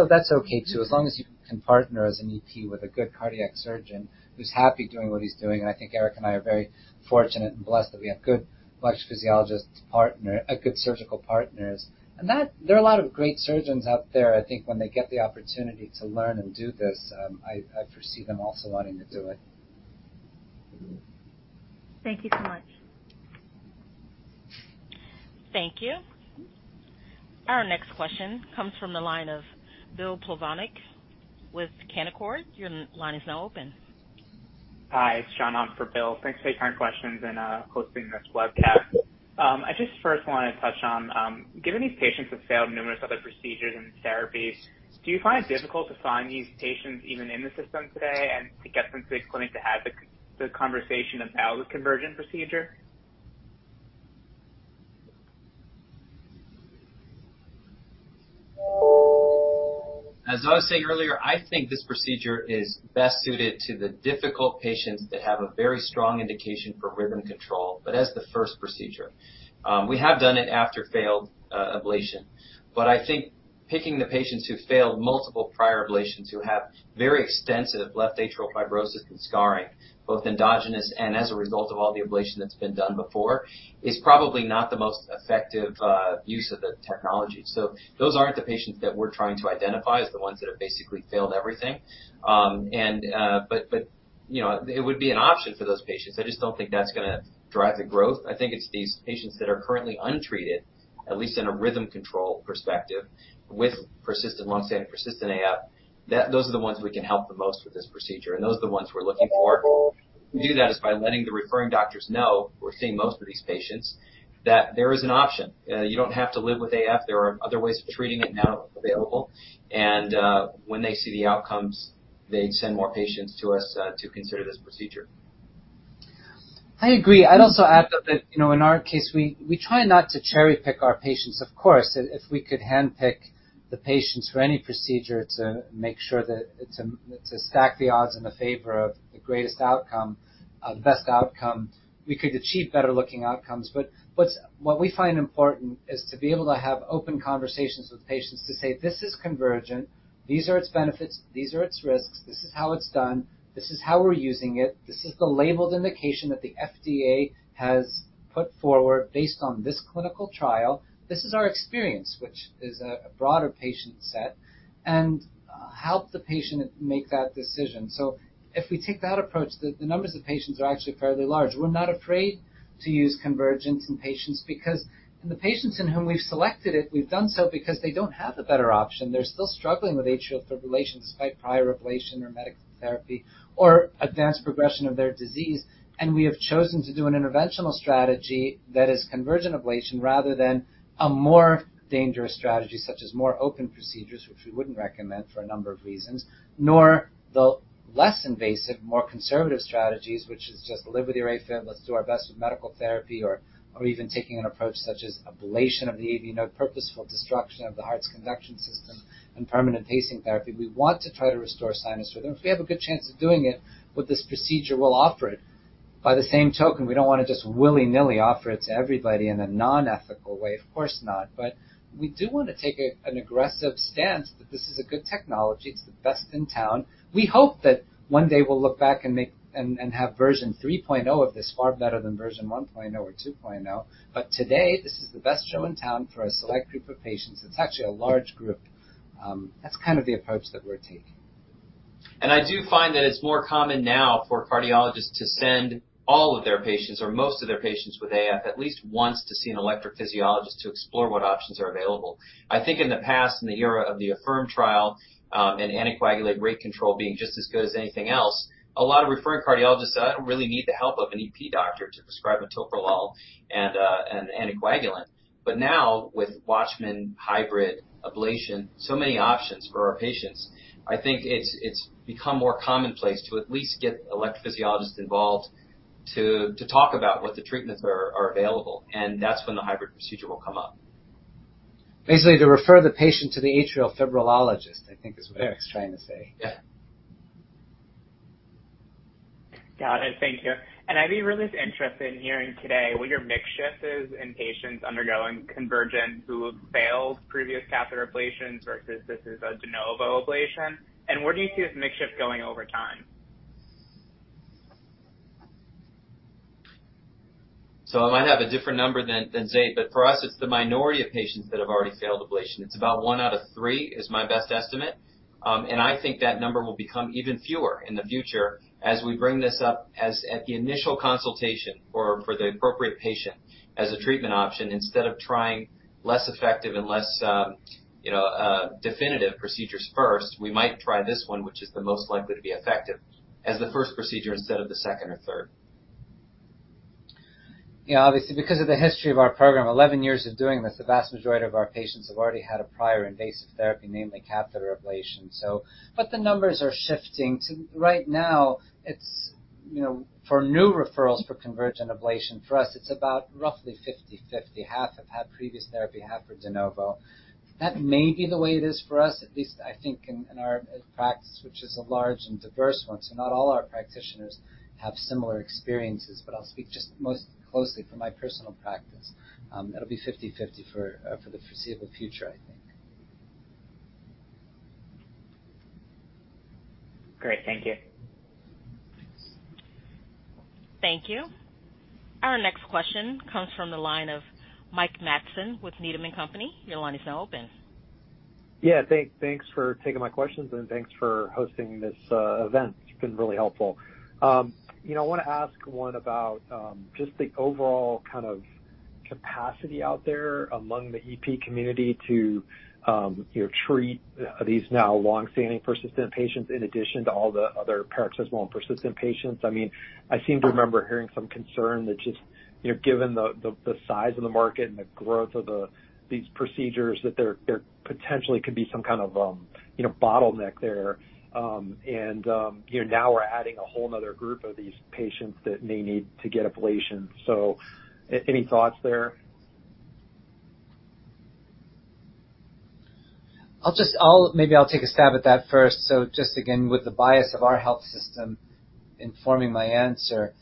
That's okay, too. As long as you can partner as an EP with a good cardiac surgeon who's happy doing what he's doing. I think Eric and I are very fortunate and blessed that we have good electrophysiologist partner, a good surgical partners. That there are a lot of great surgeons out there. I think when they get the opportunity to learn and do this, I foresee them also wanting to do it. Thank you so much. Thank you. Our next question comes from the line of William Plovanic with Canaccord Genuity. Your line is now open. Hi, it's John on for Bill. Thanks for taking our questions and hosting this webcast. I just first wanna touch on, given these patients have failed numerous other procedures and therapies, do you find it difficult to find these patients even in the system today and to get them to the clinic to have the conversation about the Convergent procedure? As I was saying earlier, I think this procedure is best suited to the difficult patients that have a very strong indication for rhythm control, but as the first procedure. We have done it after failed ablation. I think picking the patients who've failed multiple prior ablations, who have very extensive left atrial fibrosis and scarring, both endogenous and as a result of all the ablation that's been done before, is probably not the most effective use of the technology. Those aren't the patients that we're trying to identify as the ones that have basically failed everything. You know, it would be an option for those patients. I just don't think that's gonna drive the growth. I think it's these patients that are currently untreated, at least in a rhythm control perspective, with persistent, long-standing persistent AF, that those are the ones we can help the most with this procedure, and those are the ones we're looking for. We do that by letting the referring doctors know, we're seeing most of these patients, that there is an option. You don't have to live with AF. There are other ways of treating it now available. When they see the outcomes, they send more patients to us, to consider this procedure. I agree. I'd also add that, you know, in our case, we try not to cherry-pick our patients. Of course, if we could handpick the patients for any procedure to make sure that it's to stack the odds in the favor of the greatest outcome, the best outcome, we could achieve better-looking outcomes. But what's important is to be able to have open conversations with patients to say, "This is Convergent. These are its benefits. These are its risks. This is how it's done. This is how we're using it. This is the labeled indication that the FDA has put forward based on this clinical trial. This is our experience, which is a broader patient set," and help the patient make that decision. If we take that approach, the numbers of patients are actually fairly large. We're not afraid to use convergence in patients because in the patients in whom we've selected it, we've done so because they don't have the better option. They're still struggling with atrial fibrillation despite prior ablation or medical therapy or advanced progression of their disease. We have chosen to do an interventional strategy that is convergent ablation rather than a more dangerous strategy such as more open procedures, which we wouldn't recommend for a number of reasons, nor the less invasive, more conservative strategies, which is just live with your AFib, let's do our best with medical therapy or even taking an approach such as ablation of the AV node, purposeful destruction of the heart's conduction system and permanent pacing therapy. We want to try to restore sinus rhythm. If we have a good chance of doing it with this procedure, we'll offer it. By the same token, we don't wanna just willy-nilly offer it to everybody in a non-ethical way. Of course not. We do wanna take an aggressive stance that this is a good technology. It's the best in town. We hope that one day we'll look back and have version 3.0 of this far better than version 1.0 or 2.0. Today, this is the best show in town for a select group of patients. It's actually a large group. That's kind of the approach that we're taking. I do find that it's more common now for cardiologists to send all of their patients or most of their patients with AF at least once to see an electrophysiologist to explore what options are available. I think in the past, in the era of the AFFIRM trial, and anticoagulant rate control being just as good as anything else, a lot of referring cardiologists thought, "I don't really need the help of an EP doctor to prescribe metoprolol and an anticoagulant." Now with WATCHMAN hybrid ablation, so many options for our patients, I think it's become more commonplace to at least get electrophysiologist involved to talk about what the treatments are available, and that's when the hybrid procedure will come up. Basically, to refer the patient to the atrial fibrillologist, I think is what Eric's trying to say. Yeah. Got it. Thank you. I'd be really interested in hearing today what your mix shift is in patients undergoing Convergent who have failed previous catheter ablations versus this is a de novo ablation. Where do you see this mix shift going over time? I might have a different number than Zayd, but for us, it's the minority of patients that have already failed ablation. It's about one out of three is my best estimate. I think that number will become even fewer in the future as we bring this up at the initial consultation or for the appropriate patient as a treatment option instead of trying less effective and less definitive procedures first. We might try this one, which is the most likely to be effective as the first procedure instead of the second or third. Yeah. Obviously, because of the history of our program, 11 years of doing this, the vast majority of our patients have already had a prior invasive therapy, namely catheter ablation, so. The numbers are shifting. Right now, it's, you know, for new referrals for Convergent ablation, for us, it's about roughly 50/50. Half have had previous therapy, half are de novo. That may be the way it is for us, at least I think in our practice, which is a large and diverse one, so not all our practitioners have similar experiences. I'll speak just most closely from my personal practice. It'll be 50/50 for the foreseeable future, I think. Great. Thank you. Thank you. Our next question comes from the line of Mike Matson with Needham & Company. Your line is now open. Yeah. Thanks for taking my questions, and thanks for hosting this event. It's been really helpful. You know, I wanna ask one about just the overall kind of capacity out there among the EP community to, you know, treat these now long-standing persistent patients in addition to all the other paroxysmal and persistent patients. I mean, I seem to remember hearing some concern that just, you know, given the size of the market and the growth of these procedures, that there potentially could be some kind of, you know, bottleneck there. You know, now we're adding a whole nother group of these patients that may need to get ablation. Any thoughts there? Maybe I'll take a stab at that first. Just again, with the bias of our health system informing my answer,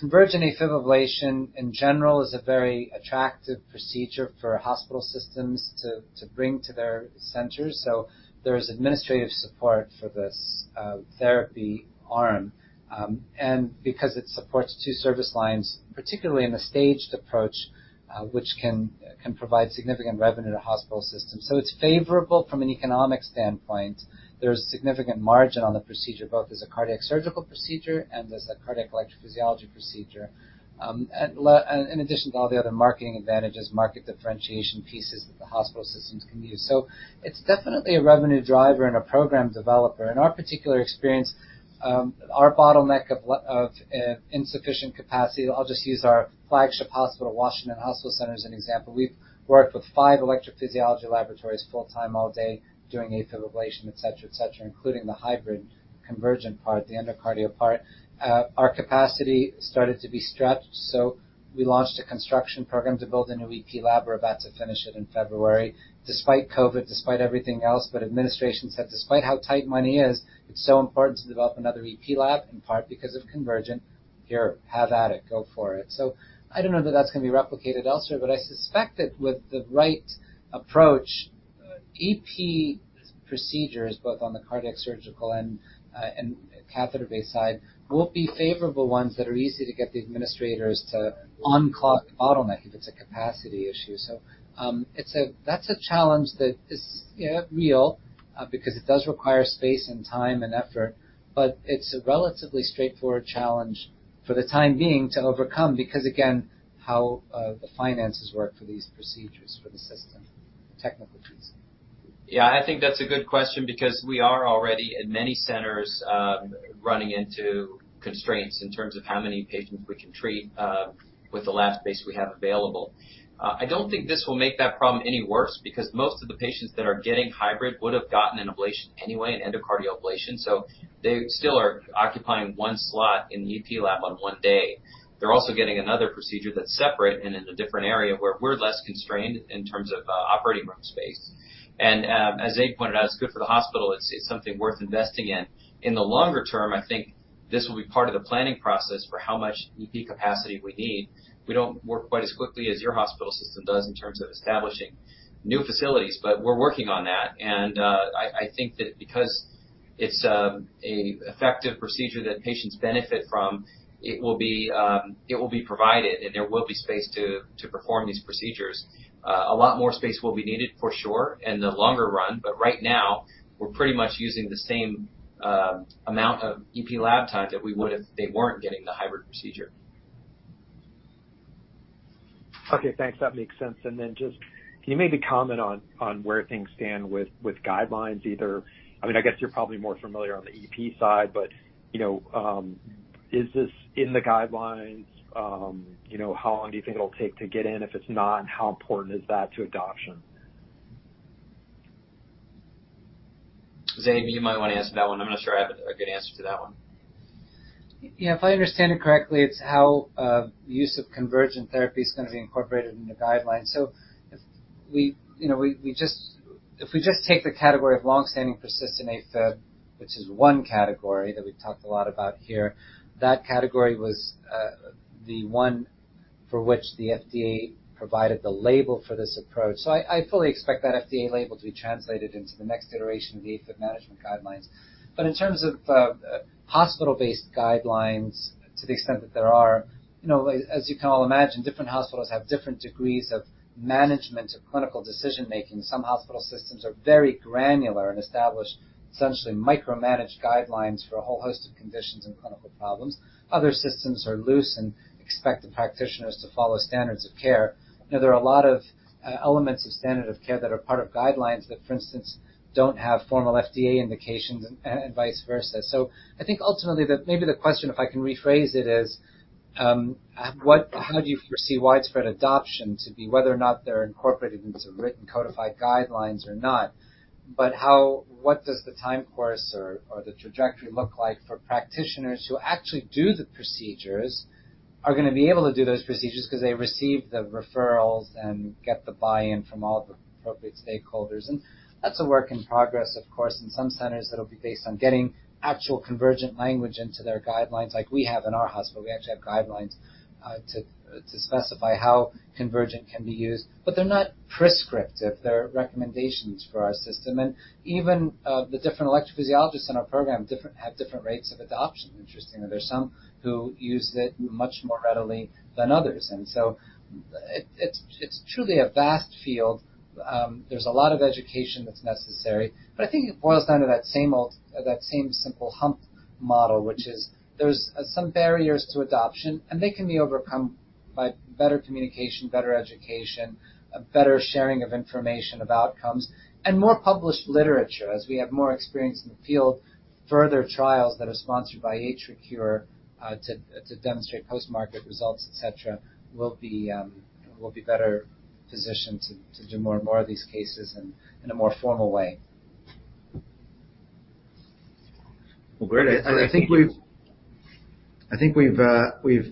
Convergent AFib ablation in general is a very attractive procedure for hospital systems to bring to their centers. There's administrative support for this therapy arm. Because it supports two service lines, particularly in a staged approach, which can provide significant revenue to hospital systems. It's favorable from an economic standpoint. There's significant margin on the procedure, both as a cardiac surgical procedure and as a cardiac electrophysiology procedure. In addition to all the other marketing advantages, market differentiation pieces that the hospital systems can use. It's definitely a revenue driver and a program developer. In our particular experience, our bottleneck of insufficient capacity, I'll just use our flagship hospital, Washington Hospital Center, as an example. We've worked with five electrophysiology laboratories full-time all day doing AFib ablation, et cetera, et cetera, including the hybrid Convergent part, the endocardial part. Our capacity started to be stretched, so we launched a construction program to build a new EP lab. We're about to finish it in February. Despite COVID, despite everything else, administration said, "Despite how tight money is, it's so important to develop another EP lab, in part because of Convergent. Here, have at it. Go for it." I don't know that that's gonna be replicated elsewhere, but I suspect that with the right approach, EP procedures, both on the cardiac surgical and catheter-based side, will be favorable ones that are easy to get the administrators to unclog the bottleneck if it's a capacity issue. That's a challenge that is real, because it does require space and time and effort, but it's a relatively straightforward challenge for the time being to overcome because again, how the finances work for these procedures for the system, technically feasible. Yeah. I think that's a good question because we are already in many centers running into constraints in terms of how many patients we can treat with the lab space we have available. I don't think this will make that problem any worse because most of the patients that are getting hybrid would have gotten an ablation anyway, an endocardial ablation. They still are occupying one slot in the EP lab on one day. They're also getting another procedure that's separate and in a different area where we're less constrained in terms of operating room space. As Zayd pointed out, it's good for the hospital. It's something worth investing in. In the longer term, I think this will be part of the planning process for how much EP capacity we need. We don't work quite as quickly as your hospital system does in terms of establishing new facilities, but we're working on that. I think that because it's a effective procedure that patients benefit from, it will be provided, and there will be space to perform these procedures. A lot more space will be needed for sure in the longer run, but right now, we're pretty much using the same amount of EP lab time that we would if they weren't getting the hybrid procedure. Okay, thanks. That makes sense. Just can you maybe comment on where things stand with guidelines either? I mean, I guess you're probably more familiar on the EP side, but you know, is this in the guidelines? You know, how long do you think it'll take to get in if it's not? How important is that to adoption? Zayd, you might wanna answer that one. I'm not sure I have a good answer to that one. Yeah, if I understand it correctly, it's how use of Convergent therapy is gonna be incorporated in the guidelines. If we just take the category of long-standing persistent AFib, which is one category that we've talked a lot about here, that category was the one for which the FDA provided the label for this approach. I fully expect that FDA label to be translated into the next iteration of the AFib management guidelines. In terms of hospital-based guidelines to the extent that there are, as you can all imagine, different hospitals have different degrees of management of clinical decision-making. Some hospital systems are very granular and establish essentially micro-managed guidelines for a whole host of conditions and clinical problems. Other systems are loose and expect the practitioners to follow standards of care. You know, there are a lot of elements of standard of care that are part of guidelines that, for instance, don't have formal FDA indications and vice versa. I think ultimately the, maybe the question, if I can rephrase it, is how do you foresee widespread adoption to be whether or not they're incorporated into written codified guidelines or not. What does the time course or the trajectory look like for practitioners who actually do the procedures are gonna be able to do those procedures 'cause they receive the referrals and get the buy-in from all the appropriate stakeholders. That's a work in progress, of course. In some centers, that'll be based on getting actual Convergent language into their guidelines like we have in our hospital. We actually have guidelines to specify how Convergent can be used. They're not prescriptive, they're recommendations for our system. Even the different electrophysiologists in our program have different rates of adoption, interestingly. There's some who use it much more readily than others. It's truly a vast field. There's a lot of education that's necessary. I think it boils down to that same old, that same simple hump model, which is there's some barriers to adoption, and they can be overcome by better communication, better education, a better sharing of information about outcomes, and more published literature. As we have more experience in the field, further trials that are sponsored by AtriCure to demonstrate post-market results, et cetera, we'll be better positioned to do more and more of these cases in a more formal way. Well, great. I think we've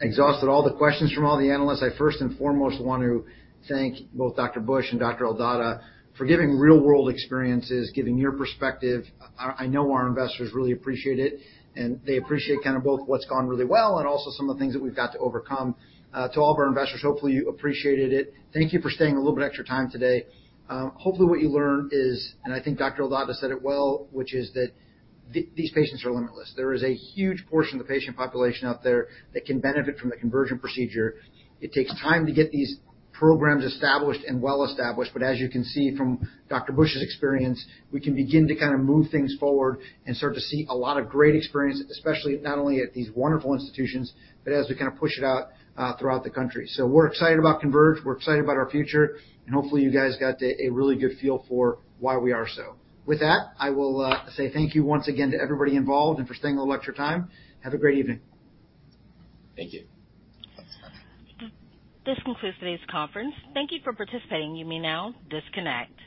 exhausted all the questions from all the analysts. I first and foremost want to thank both Dr. Buch and Dr. Eldadah for giving real-world experiences, giving your perspective. I know our investors really appreciate it, and they appreciate kinda both what's gone really well and also some of the things that we've got to overcome. To all of our investors, hopefully you appreciated it. Thank you for staying a little bit extra time today. Hopefully what you learned is, and I think Dr. Eldadah said it well, which is that these patients are limitless. There is a huge portion of the patient population out there that can benefit from the Convergent procedure. It takes time to get these programs established and well-established, but as you can see from Dr. Buch's experience, we can begin to kinda move things forward and start to see a lot of great experiences, especially not only at these wonderful institutions, but as we kinda push it out throughout the country. We're excited about Converge. We're excited about our future and hopefully you guys got a really good feel for why we are so. With that, I will say thank you once again to everybody involved and for staying a little extra time. Have a great evening. Thank you. Thanks. This concludes today's conference. Thank you for participating. You may now disconnect.